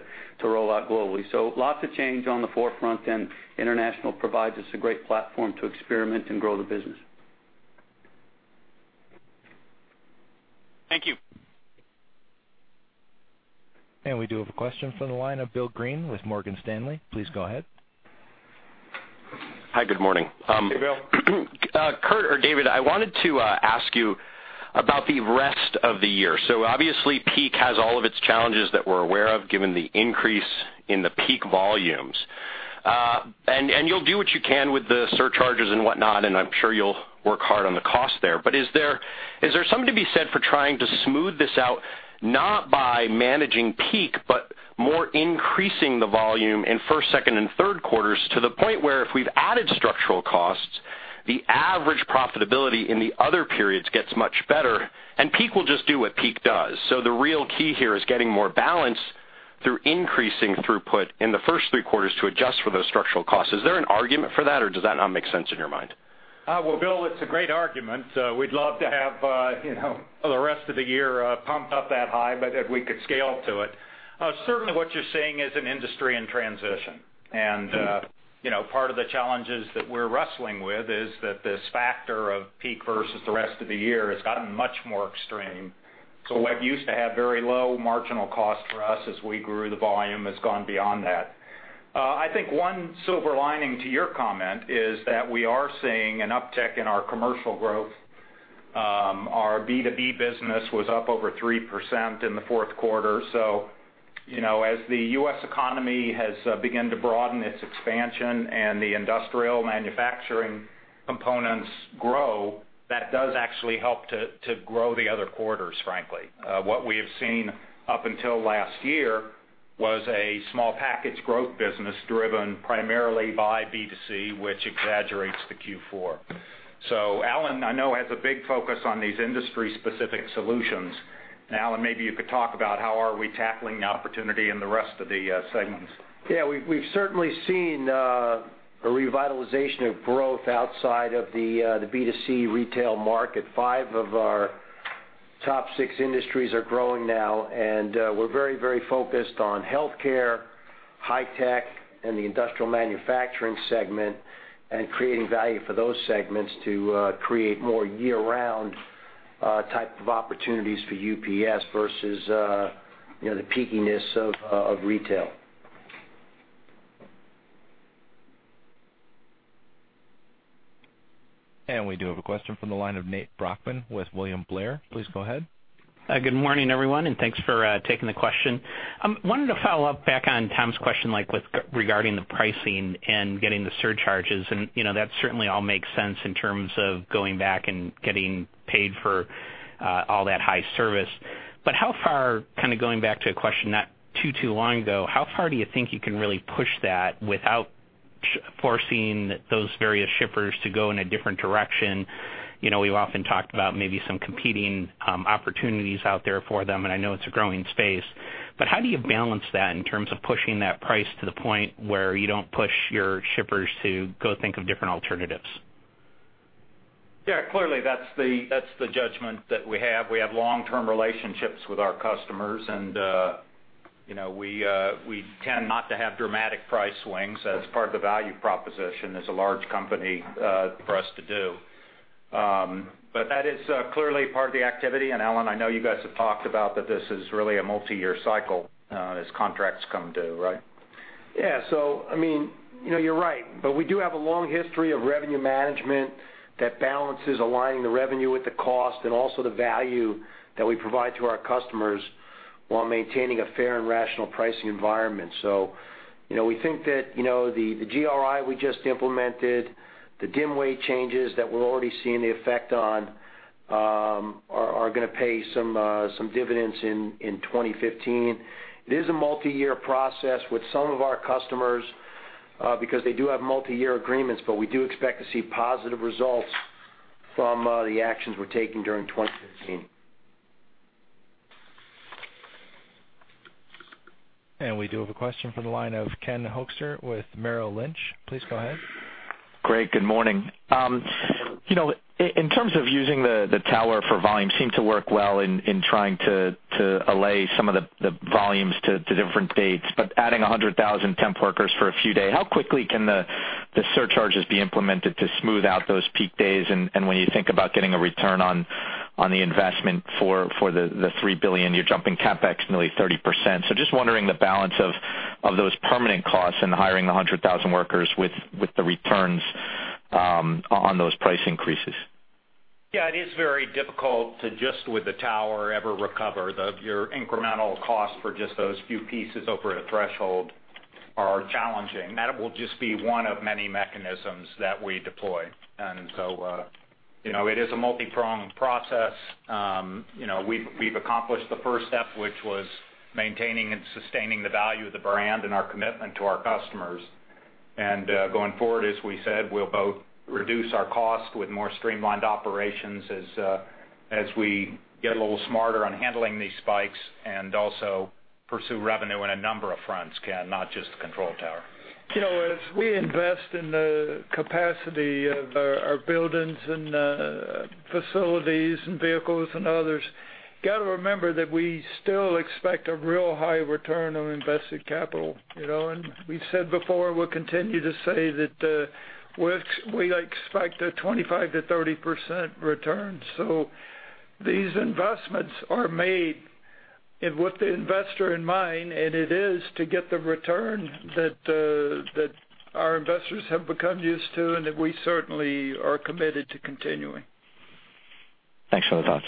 roll out globally. Lots of change on the forefront, and international provides us a great platform to experiment and grow the business. Thank you. We do have a question from the line of Bill Greene with Morgan Stanley. Please go ahead. Hi, good morning. Hey, Bill. Kurt or David, I wanted to ask you about the rest of the year. So obviously, peak has all of its challenges that we're aware of, given the increase in the peak volumes. And you'll do what you can with the surcharges and whatnot, and I'm sure you'll work hard on the cost there. But is there something to be said for trying to smooth this out, not by managing peak, but more increasing the volume in first, second, and Q3s to the point where if we've added structural costs, the average profitability in the other periods gets much better, and peak will just do what peak does. So the real key here is getting more balance through increasing throughput in the first three quarters to adjust for those structural costs. Is there an argument for that, or does that not make sense in your mind? Well, Bill, it's a great argument. We'd love to have, you know, the rest of the year, pumped up that high, but if we could scale to it. Certainly, what you're seeing is an industry in transition. You know, part of the challenges that we're wrestling with is that this factor of peak versus the rest of the year has gotten much more extreme. What used to have very low marginal cost for us as we grew the volume, has gone beyond that. I think one silver lining to your comment is that we are seeing an uptick in our commercial growth. Our B2B business was up over 3% in the Q4. So, you know, as the U.S. economy has begun to broaden its expansion and the industrial manufacturing components grow, that does actually help to grow the other quarters, frankly. What we have seen up until last year was a small package growth business driven primarily by B2C, which exaggerates the Q4. So Alan, I know, has a big focus on these industry-specific solutions. And Alan, maybe you could talk about how are we tackling the opportunity in the rest of the segments? We've certainly seen a revitalization of growth outside of the B2C retail market. Five of our top six industries are growing now, and we're very, very focused on healthcare, high tech, and the industrial manufacturing segment, and creating value for those segments to create more year-round type of opportunities for UPS versus, you know, the peakiness of retail. We do have a question from the line of Nate Brochmann with William Blair. Please go ahead. Good morning, everyone, and thanks for taking the question. Wanted to follow up back on Tom's question, like, with regarding the pricing and getting the surcharges, and, you know, that certainly all makes sense in terms of going back and getting paid for all that high service. But how far, going back to a question not too, too long ago, how far do you think you can really push that without forcing those various shippers to go in a different direction? You know, we've often talked about maybe some competing opportunities out there for them, and I know it's a growing space. But how do you balance that in terms of pushing that price to the point where you don't push your shippers to go think of different alternatives? Clearly, that's the judgment that we have. We have long-term relationships with our customers, and you know, we tend not to have dramatic price swings as part of the value proposition, as a large company, for us to do. But that is clearly part of the activity. And Alan, I know you guys have talked about that this is really a multiyear cycle, as contracts come due, right? So I mean, you know, you're right. But we do have a long history of revenue management that balances aligning the revenue with the cost and also the value that we provide to our customers, while maintaining a fair and rational pricing environment. So you know, we think that, you know, the GRI we just implemented, the DIM Weight changes that we're already seeing the effect on, are gonna pay some dividends in 2015. It is a multiyear process with some of our customers, because they do have multiyear agreements, but we do expect to see positive results from the actions we're taking during 2015. We do have a question from the line of Ken Hoexter with Merrill Lynch. Please go ahead. Great. Good morning. You know, in terms of using the tower for volume, seemed to work well in trying to allay some of the volumes to different dates. But adding 100,000 temp workers for a few days, how quickly can the surcharges be implemented to smooth out those peak days? And when you think about getting a return on the investment for the $3 billion, you're jumping CapEx nearly 30%. So just wondering the balance of those permanent costs and hiring 100,000 workers with the returns on those price increases. It is very difficult to just with the tower ever recover the your incremental cost for just those few pieces over a threshold are challenging. That will just be one of many mechanisms that we deploy. And so, you know, it is a multipronged process. You know, we've accomplished the first step, which was maintaining and sustaining the value of the brand and our commitment to our customers. And, going forward, as we said, we'll both reduce our costs with more streamlined operations as we get a little smarter on handling these spikes, and also pursue revenue on a number of fronts, Ken, not just the Control Tower. You know, as we invest in the capacity of our, our buildings and facilities and vehicles and others, you got to remember that we still expect a real high return on invested capital, you know. And we've said before, we'll continue to say that, we're—we expect a 25%-30% return. So these investments are made and with the investor in mind, and it is to get the return that that our investors have become used to and that we certainly are committed to continuing. Thanks for the thoughts.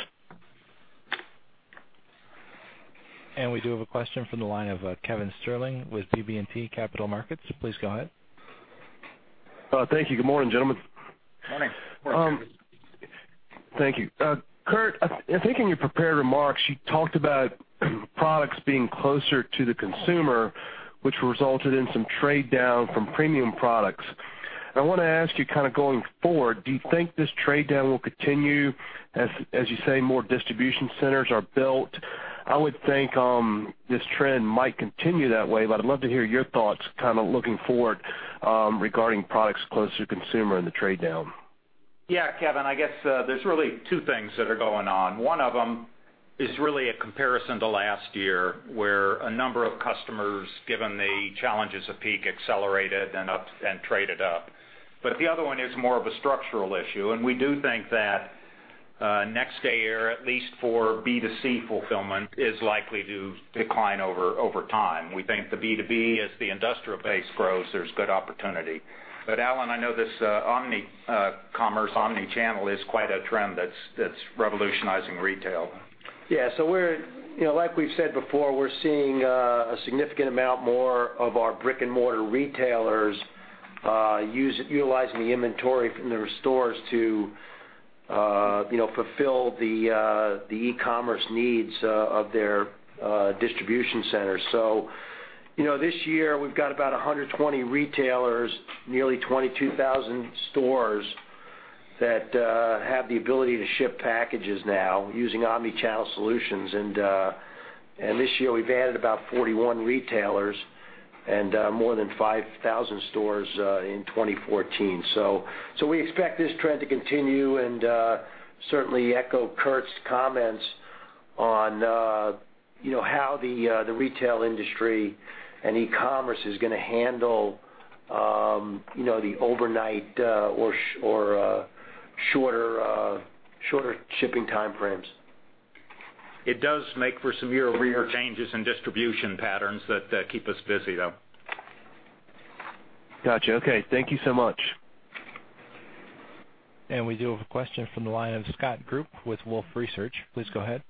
We do have a question from the line of Kevin Sterling with BB&T Capital Markets. Please go ahead. Thank you. Good morning, gentlemen. Morning. Morning. Thank you. Kurt, I think in your prepared remarks, you talked about products being closer to the consumer, which resulted in some trade down from premium products. I want to ask you going forward, do you think this trade down will continue as you say, more distribution centers are built? I would think this trend might continue that way, but I'd love to hear your thoughts looking forward regarding products closer to consumer and the trade down. Kevin, I guess, there's really two things that are going on. One of them is really a comparison to last year, where a number of customers, given the challenges of peak, accelerated and up and traded up. But the other one is more of a structural issue, and we do think that next day air, at least for B2C fulfillment, is likely to decline over time. We think the B2B, as the industrial base grows, there's good opportunity. But Alan, I know this omni-commerce, omni-channel is quite a trend that's revolutionizing retail. So we're, you know, like we've said before, we're seeing a significant amount more of our brick-and-mortar retailers utilizing the inventory from their stores to, you know, fulfill the e-commerce needs of their distribution centers. So you know, this year, we've got about 120 retailers, nearly 22,000 stores, that have the ability to ship packages now using Omni-channel solutions. And this year, we've added about 41 retailers and more than 5,000 stores in 2014. So we expect this trend to continue and certainly echo Kurt's comments on, you know, how the retail industry and e-commerce is gonna handle, you know, the overnight or shorter shipping time frames. It does make for some real changes in distribution patterns that keep us busy, though. Gotcha. Okay, thank you so much. We do have a question from the line of Scott Group with Wolfe Research. Please go ahead.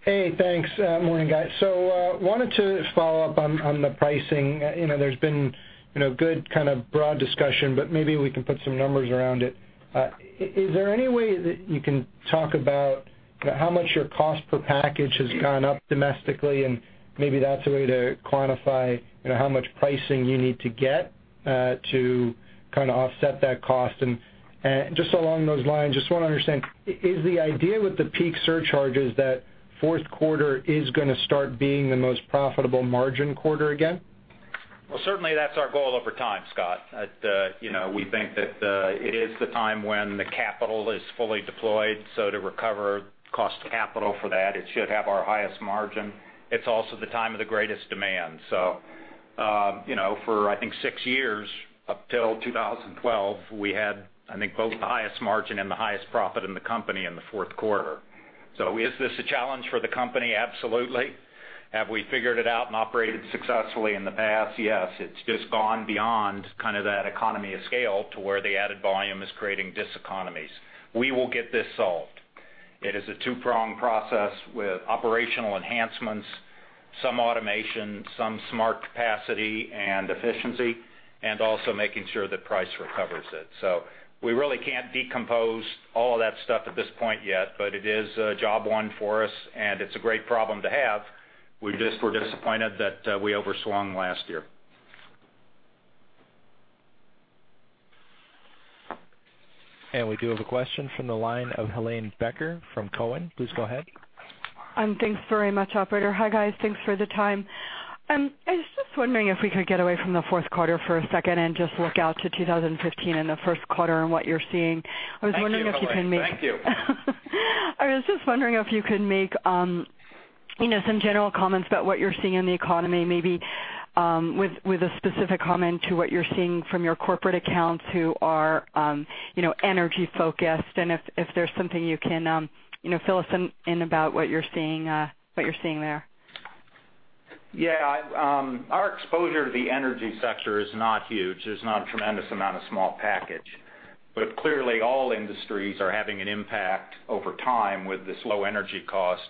Hey, thanks. Morning, guys. So, wanted to follow up on, on the pricing. You know, there's been, you know, good broad discussion, but maybe we can put some numbers around it. Is there any way that you can talk about, you know, how much your cost per package has gone up domestically? And maybe that's a way to quantify, you know, how much pricing you need to get, to offset that cost. And just along those lines, just want to understand, is the idea with the peak surcharges that Q4 is gonna start being the most profitable margin quarter again? Certainly that's our goal over time, Scott. You know, we think that it is the time when the capital is fully deployed, so to recover cost of capital for that, it should have our highest margin. It's also the time of the greatest demand. So, you know, for, I think, 6 years up till 2012, we had, I think, both the highest margin and the highest profit in the company in the Q4. So is this a challenge for the company? Absolutely. Have we figured it out and operated successfully in the past? Yes, it's just gone beyond that economy of scale to where the added volume is creating diseconomies. We will get this solved. It is a two-prong process with operational enhancements, some automation, some smart capacity and efficiency, and also making sure that price recovers it. So we really can't decompose all of that stuff at this point yet, but it is job one for us, and it's a great problem to have. We just were disappointed that we overswung last year. We do have a question from the line of Helane Becker from Cowen. Please go ahead. Thanks very much, operator. Hi, guys. Thanks for the time. I was just wondering if we could get away from the Q4 for a second and just look out to 2015 and the Q1 and what you're seeing. I was wondering if you can make- Thank you, Helane. Thank you. I was just wondering if you could make, you know, some general comments about what you're seeing in the economy, maybe, with a specific comment to what you're seeing from your corporate accounts who are, you know, energy-focused, and if there's something you can, you know, fill us in about what you're seeing there. Our exposure to the energy sector is not huge. There's not a tremendous amount of small package. But clearly, all industries are having an impact over time with this low energy cost.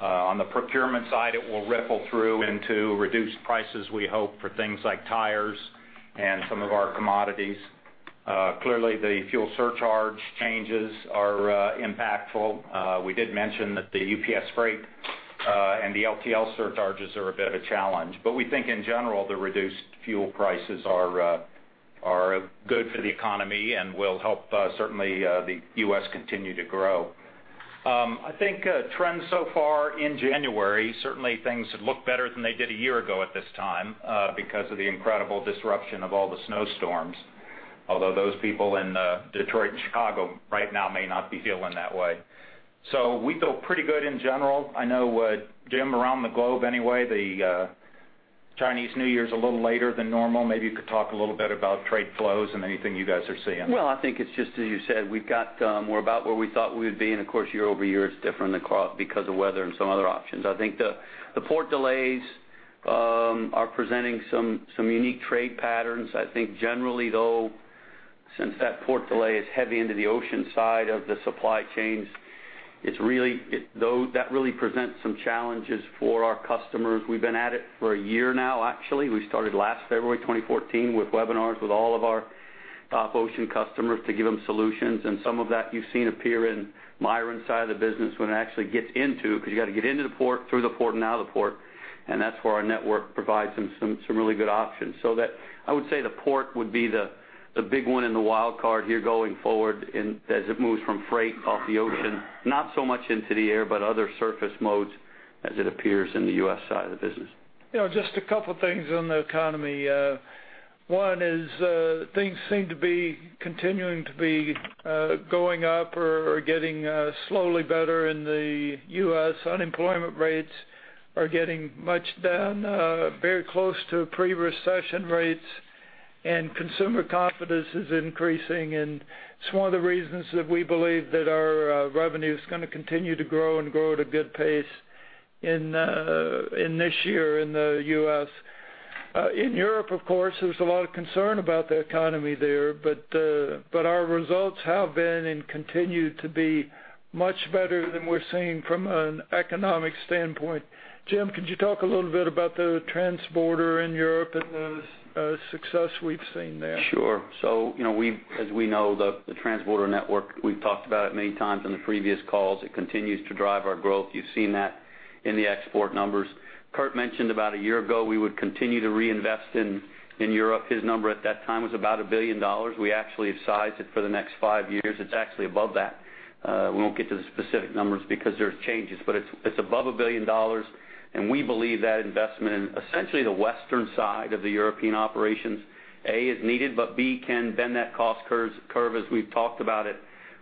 On the procurement side, it will ripple through into reduced prices, we hope, for things like tires and some of our commodities. Clearly, the fuel surcharge changes are impactful. We did mention that the UPS Freight, and the LTL surcharges are a bit of a challenge. But we think in general, the reduced fuel prices are, are good for the economy and will help, certainly, the U.S. continue to grow. I think trends so far in January certainly look better than they did a year ago at this time because of the incredible disruption of all the snowstorms, although those people in Detroit and Chicago right now may not be feeling that way. So we feel pretty good in general. I know, Jim, around the globe, anyway, the Chinese New Year is a little later than normal. Maybe you could talk a little bit about trade flows and anything you guys are seeing. Well, I think it's just as you said, we've got, we're about where we thought we would be, and of course, year-over-year, it's different across because of weather and some other options. I think the port delays are presenting some unique trade patterns. I think generally, though, since that port delay is heavy into the ocean side of the supply chains, it's really, though, that really presents some challenges for our customers. We've been at it for a year now, actually. We started last February 2014 with webinars with all of our ocean customers to give them solutions, and some of that you've seen appear in Myron's side of the business when it actually gets into, because you got to get into the port, through the port, and out of the port, and that's where our network provides them some, some really good options. So that I would say the port would be the big one in the wild card here going forward in, as it moves from freight off the ocean, not so much into the air, but other surface modes as it appears in the U.S. side of the business. You know, just a couple of things on the economy. One is, things seem to be continuing to be going up or, or getting slowly better in the US. Unemployment rates are getting much down, very close to pre-recession rates, and consumer confidence is increasing, and it's one of the reasons that we believe that our revenue is going to continue to grow and grow at a good pace in, in this year in the US. In Europe, of course, there's a lot of concern about the economy there, but, but our results have been and continue to be much better than we're seeing from an economic standpoint. Jim, could you talk a little bit about the transborder in Europe and the, success we've seen there? Sure. So you know, we've—as we know, the transborder network, we've talked about it many times in the previous calls, it continues to drive our growth. You've seen that in the export numbers. Kurt mentioned about a year ago, we would continue to reinvest in Europe. His number at that time was about $1 billion. We actually have sized it for the next five years. It's actually above that. We won't get to the specific numbers because there's changes, but it's above $1 billion, and we believe that investment in essentially the western side of the European operations, A, is needed, but B, can bend that cost curves, curve as we've talked about it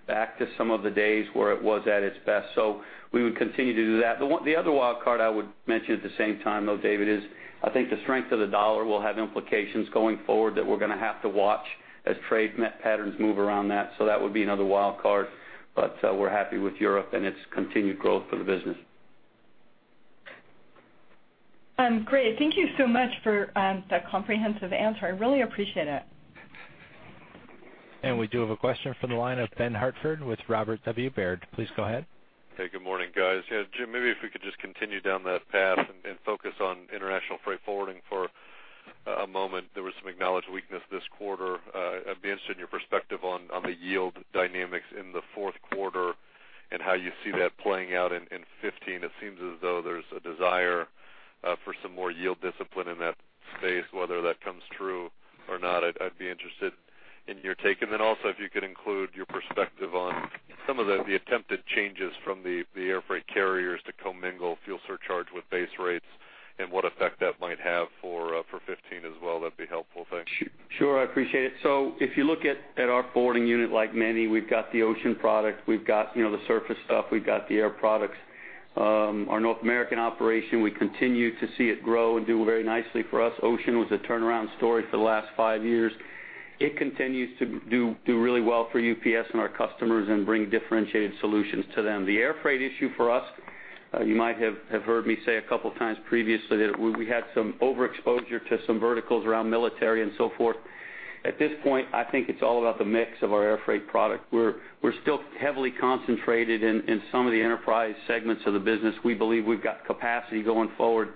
back to some of the days where it was at its best. So we would continue to do that. The other wild card I would mention at the same time, though, David, is I think the strength of the dollar will have implications going forward that we're going to have to watch as trade network patterns move around that. So that would be another wild card, but we're happy with Europe and its continued growth for the business. Great. Thank you so much for the comprehensive answer. I really appreciate it. We do have a question from the line of Ben Hartford with Robert W. Baird. Please go ahead. Hey, good morning, guys. Jim, maybe if we could just continue down that path and focus on international freight forwarding for a moment. There was some acknowledged weakness this quarter. I'd be interested in your perspective on the yield dynamics in the Q4 and how you see that playing out in 15. It seems as though there's a desire for some more yield discipline in that space, whether that comes true or not. I'd be interested- In your take. And then also, if you could include your perspective on some of the attempted changes from the airfreight carriers to commingle fuel surcharge with base rates and what effect that might have for 2015 as well, that'd be helpful. Thanks. Sure, I appreciate it. So if you look at our forwarding unit, like many, we've got the ocean product, we've got, you know, the surface stuff, we've got the air products. Our North American operation, we continue to see it grow and do very nicely for us. Ocean was a turnaround story for the last five years. It continues to do really well for UPS and our customers and bring differentiated solutions to them. The air freight issue for us, you might have heard me say a couple of times previously, that we had some overexposure to some verticals around military and so forth. At this point, I think it's all about the mix of our air freight product. We're still heavily concentrated in some of the enterprise segments of the business. We believe we've got capacity going forward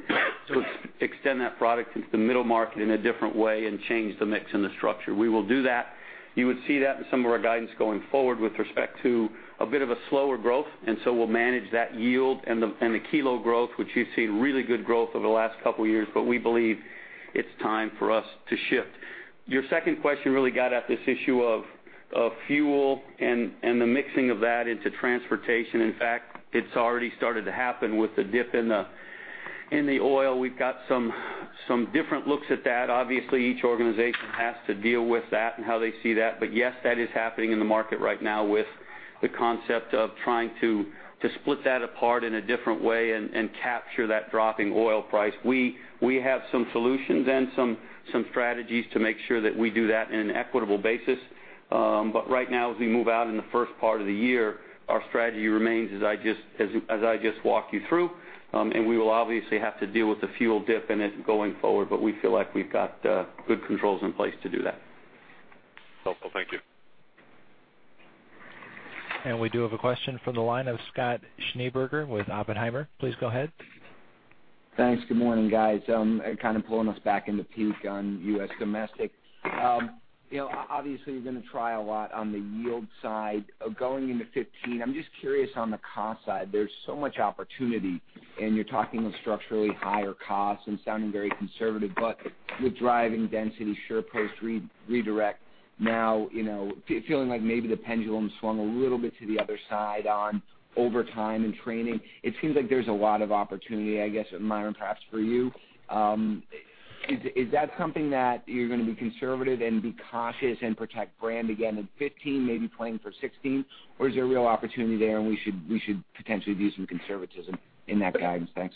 to extend that product into the middle market in a different way and change the mix and the structure. We will do that. You would see that in some of our guidance going forward with respect to a bit of a slower growth, and so we'll manage that yield and the kilo growth, which you've seen really good growth over the last couple of years, but we believe it's time for us to shift. Your second question really got at this issue of fuel and the mixing of that into transportation. In fact, it's already started to happen with the dip in the oil. We've got some different looks at that. Obviously, each organization has to deal with that and how they see that. But yes, that is happening in the market right now with the concept of trying to split that apart in a different way and capture that dropping oil price. We have some solutions and some strategies to make sure that we do that in an equitable basis. But right now, as we move out in the first part of the year, our strategy remains as I just walked you through, and we will obviously have to deal with the fuel dip in it going forward, but we feel like we've got good controls in place to do that. Helpful. Thank you. We do have a question from the line of Scott Schneeberger with Oppenheimer. Please go ahead. Thanks. Good morning, guys. Pulling us back in the peak on U.S. domestic. You know, obviously, you're going to try a lot on the yield side. Going into 2015, I'm just curious on the cost side, there's so much opportunity, and you're talking of structurally higher costs and sounding very conservative, but with driving density, SurePost redirect now, you know, feeling like maybe the pendulum swung a little bit to the other side on overtime and training. It seems like there's a lot of opportunity, I guess, Myron, perhaps for you. Is that something that you're going to be conservative and be cautious and protect brand again in 2015, maybe planning for 2016? Or is there a real opportunity there, and we should potentially view some conservatism in that guidance? Thanks.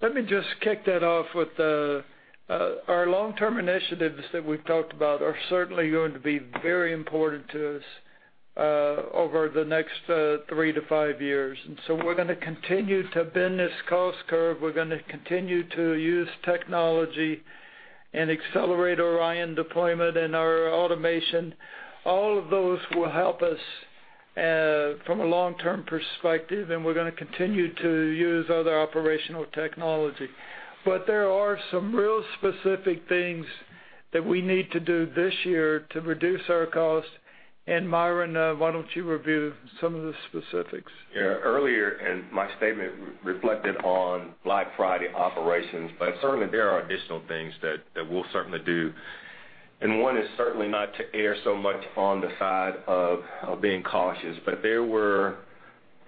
Let me just kick that off with the Our long-term initiatives that we've talked about are certainly going to be very important to us over the next 3-5 years. And so we're going to continue to bend this cost curve. We're going to continue to use technology and accelerate ORION deployment and our automation. All of those will help us from a long-term perspective, and we're going to continue to use other operational technology. But there are some real specific things that we need to do this year to reduce our costs. And, Myron, why don't you review some of the specifics? Earlier in my statement, I reflected on Black Friday operations, but certainly there are additional things that we'll certainly do. And one is certainly not to err so much on the side of being cautious. But there were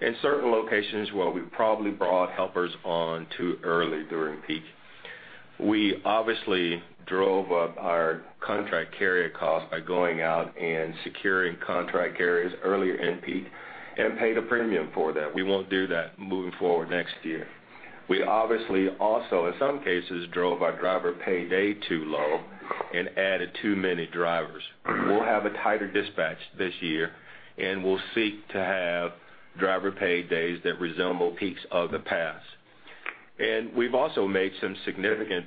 in certain locations where we probably brought helpers on too early during peak. We obviously drove up our contract carrier costs by going out and securing contract carriers earlier in peak and paid a premium for that. We won't do that moving forward next year. We obviously also, in some cases, drove our driver pay day too low and added too many drivers. We'll have a tighter dispatch this year, and we'll seek to have driver pay days that resemble peaks of the past. We've also made some significant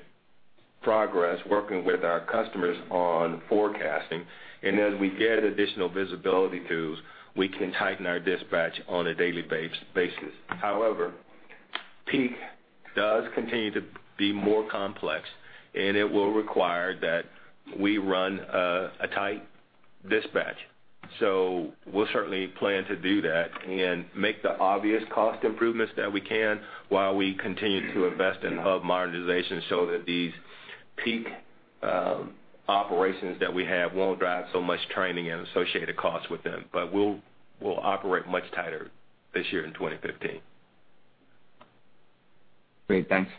progress working with our customers on forecasting, and as we get additional visibility tools, we can tighten our dispatch on a daily basis. However, peak does continue to be more complex, and it will require that we run a tight dispatch. So we'll certainly plan to do that and make the obvious cost improvements that we can while we continue to invest in hub modernization so that these peak operations that we have won't drive so much training and associated costs with them. But we'll operate much tighter this year in 2015. Great. Thanks.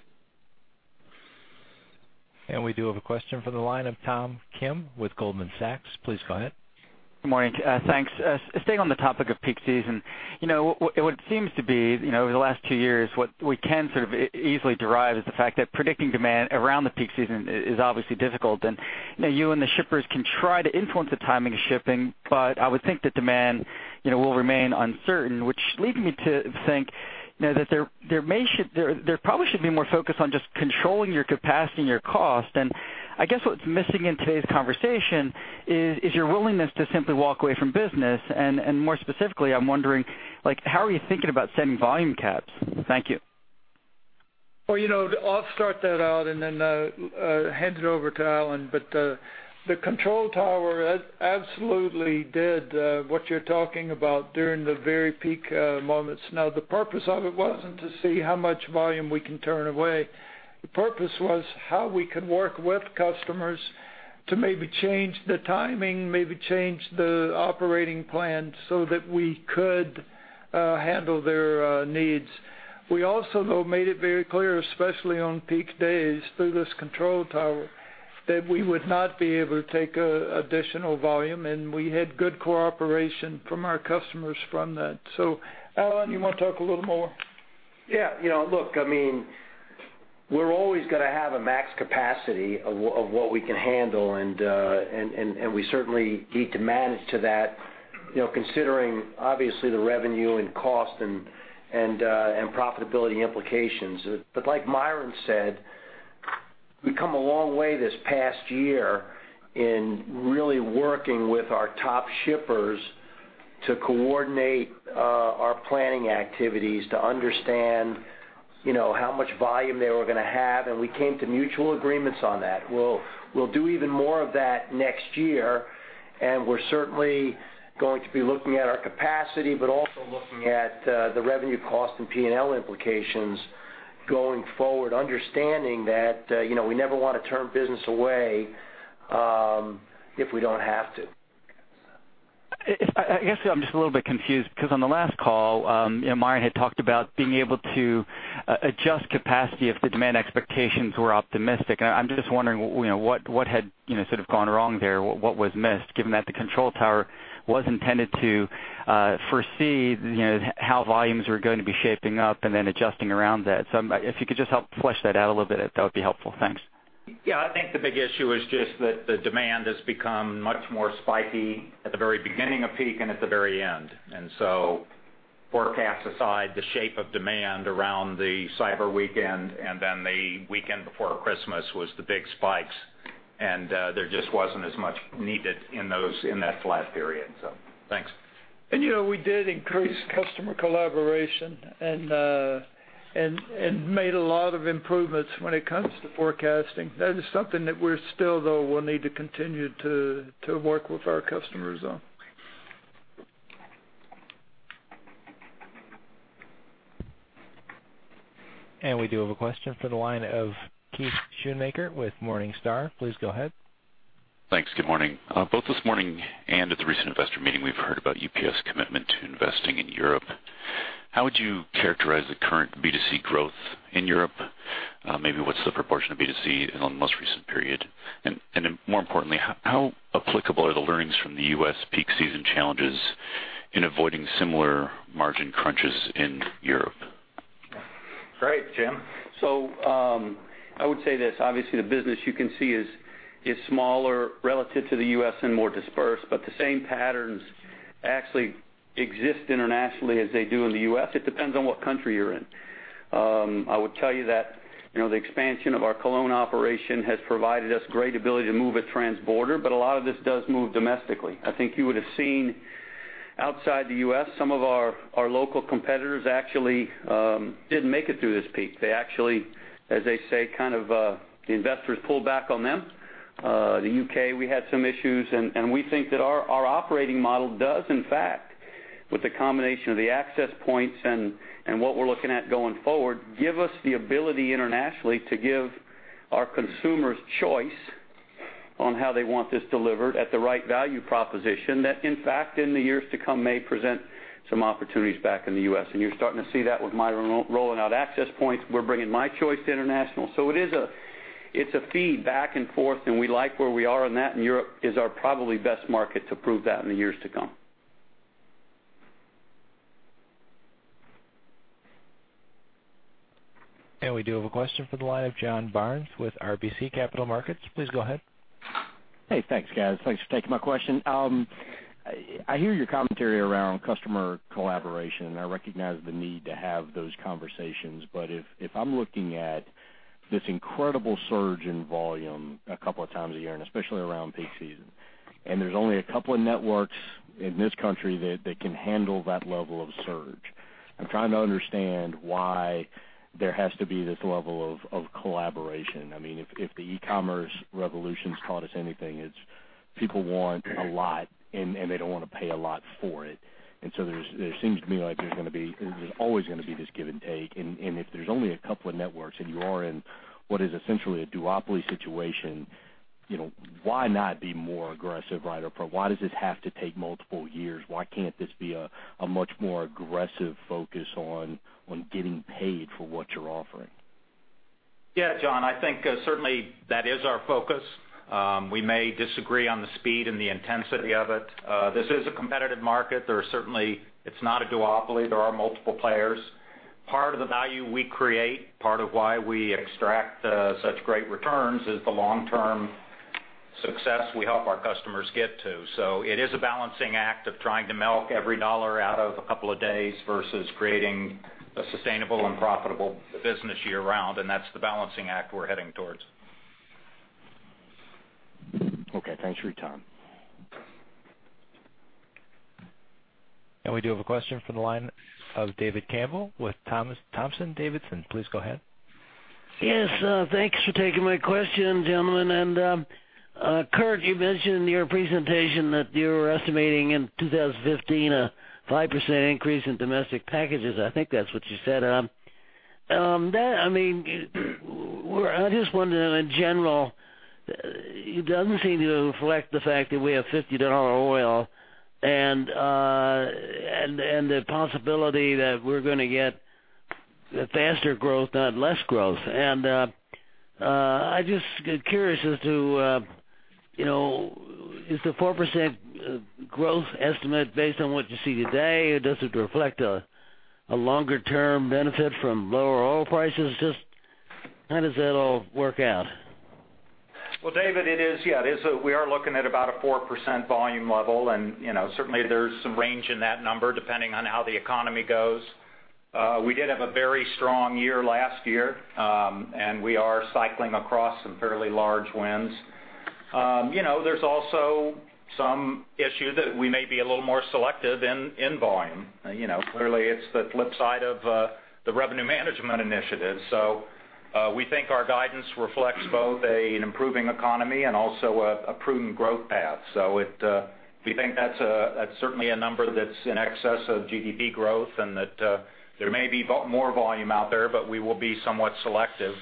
We do have a question from the line of Tom Kim with Goldman Sachs. Please go ahead. Good morning. Thanks. Staying on the topic of peak season, you know, what seems to be, you know, over the last two years, what we can easily derive is the fact that predicting demand around the peak season is obviously difficult. And, you know, you and the shippers can try to influence the timing of shipping, but I would think that demand, you know, will remain uncertain, which leads me to think, you know, that there may be more focus on just controlling your capacity and your cost. And I guess what's missing in today's conversation is your willingness to simply walk away from business. And more specifically, I'm wondering, like, how are you thinking about setting volume caps? Thank you. Well, you know, I'll start that out and then hand it over to Alan. But the Control Tower absolutely did what you're talking about during the very peak moments. Now, the purpose of it wasn't to see how much volume we can turn away. The purpose was how we could work with customers to maybe change the timing, maybe change the operating plan so that we could handle their needs. We also, though, made it very clear, especially on peak days, through this Control Tower, that we would not be able to take additional volume, and we had good cooperation from our customers from that. So, Alan, you want to talk a little more? You know, I mean, we're always going to have a max capacity of what we can handle, and, and we certainly need to manage to that, you know, considering obviously the revenue and cost and profitability implications. But like Myron said, we've come a long way this past year in really working with our top shippers to coordinate our planning activities, to understand, you know, how much volume they were going to have, and we came to mutual agreements on that. We'll do even more of that next year, and we're certainly going to be looking at our capacity, but also looking at the revenue cost and P&L implications going forward, understanding that, you know, we never want to turn business away, if we don't have to. I guess I'm just a little bit confused, because on the last call, you know, Myron had talked about being able to adjust capacity if the demand expectations were optimistic. I'm just wondering, you know, what had, you know, gone wrong there? What was missed, given that the Control Tower was intended to foresee, you know, how volumes were going to be shaping up and then adjusting around that. So if you could just help flesh that out a little bit, that would be helpful. Thanks. I think the big issue is just that the demand has become much more spiky at the very beginning of peak and at the very end. And so forecasts aside, the shape of demand around the Cyber Weekend and then the weekend before Christmas was the big spikes, and there just wasn't as much needed in those, in that flat period. So thanks. You know, we did increase customer collaboration and made a lot of improvements when it comes to forecasting. That is something that we're still, though, will need to continue to work with our customers on. We do have a question for the line of Keith Schoonmaker with Morningstar. Please go ahead. Thanks. Good morning. Both this morning and at the recent investor meeting, we've heard about UPS commitment to investing in Europe. How would you characterize the current B2C growth in Europe? Maybe what's the proportion of B2C in on the most recent period? And, and more importantly, how applicable are the learnings from the U.S. peak season challenges in avoiding similar margin crunches in Europe? Great, Jim. So, I would say this, obviously, the business you can see is, is smaller relative to the US and more dispersed, but the same patterns actually exist internationally as they do in the US. It depends on what country you're in. I would tell you that, you know, the expansion of our Cologne operation has provided us great ability to move it transborder, but a lot of this does move domestically. I think you would have seen outside the US, some of our, our local competitors actually, didn't make it through this peak. They actually, as they say the investors pulled back on them. The UK, we had some issues, and we think that our operating model does, in fact, with the combination of the Access Points and what we're looking at going forward, give us the ability internationally to give our consumers choice on how they want this delivered at the right value proposition, that in fact, in the years to come, may present some opportunities back in the US. You're starting to see that with Myron rolling out Access Points. We're bringing My Choice to international. It is a, it's a feedback and forth, and we like where we are on that, Europe is our probably best market to prove that in the years to come. We do have a question for the line of John Barnes with RBC Capital Markets. Please go ahead. Hey, thanks, guys. Thanks for taking my question. I hear your commentary around customer collaboration, and I recognize the need to have those conversations, but if, if I'm looking at this incredible surge in volume a couple of times a year, and especially around peak season, and there's only a couple of networks in this country that, that can handle that level of surge, I'm trying to understand why there has to be this level of, of collaboration. I mean, if, if the e-commerce revolution's taught us anything, it's people want a lot, and, and they don't want to pay a lot for it. And so there's, it seems to me like there's always going to be this give and take. And if there's only a couple of networks and you are in what is essentially a duopoly situation, you know, why not be more aggressive, right? Or why does this have to take multiple years? Why can't this be a much more aggressive focus on getting paid for what you're offering? John, I think certainly that is our focus. We may disagree on the speed and the intensity of it. This is a competitive market. There are certainly, it's not a duopoly. There are multiple players. Part of the value we create, part of why we extract such great returns is the long-term success we help our customers get to. So it is a balancing act of trying to milk every dollar out of a couple of days versus creating a sustainable and profitable business year-round, and that's the balancing act we're heading towards. Okay, thanks for your time. We do have a question from the line of David Campbell with Thompson Davis & Co. Please go ahead. Yes, thanks for taking my question, gentlemen. Kurt, you mentioned in your presentation that you were estimating in 2015, a 5% increase in domestic packages. I think that's what you said that, I mean, we're, I just wonder, in general, it doesn't seem to reflect the fact that we have $50 oil and the possibility that we're gonna get faster growth, not less growth. And I just get curious as to, you know, is the 4% growth estimate based on what you see today, or does it reflect a longer-term benefit from lower oil prices? Just how does that all work out? David, it is. We are looking at about a 4% volume level, and, you know, certainly there's some range in that number, depending on how the economy goes. We did have a very strong year last year, and we are cycling across some fairly large winds. You know, there's also some issue that we may be a little more selective in, in volume. You know, clearly, it's the flip side of, the revenue management initiative. So, we think our guidance reflects both a, an improving economy and also a, a prudent growth path. So it, we think that's a, that's certainly a number that's in excess of GDP growth and that, there may be more volume out there, but we will be somewhat selective,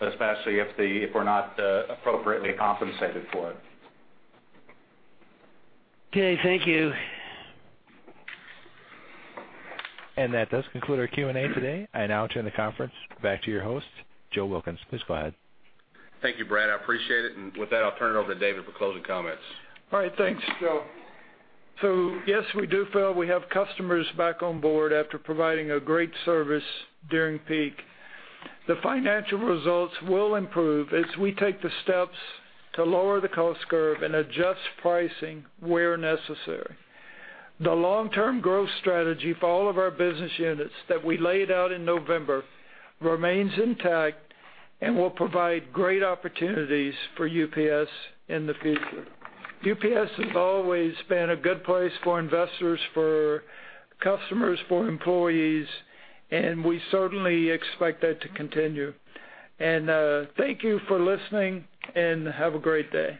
especially if the, if we're not, appropriately compensated for it. Okay, thank you. That does conclude our Q&A today. I now turn the conference back to your host, Joe Wilkins. Please go ahead. Thank you, Brad. I appreciate it. With that, I'll turn it over to David for closing comments. All right, thanks, Joe. So yes, we do feel we have customers back on board after providing a great service during peak. The financial results will improve as we take the steps to lower the cost curve and adjust pricing where necessary. The long-term growth strategy for all of our business units that we laid out in November remains intact and will provide great opportunities for UPS in the future. UPS has always been a good place for investors, for customers, for employees, and we certainly expect that to continue. And, thank you for listening and have a great day.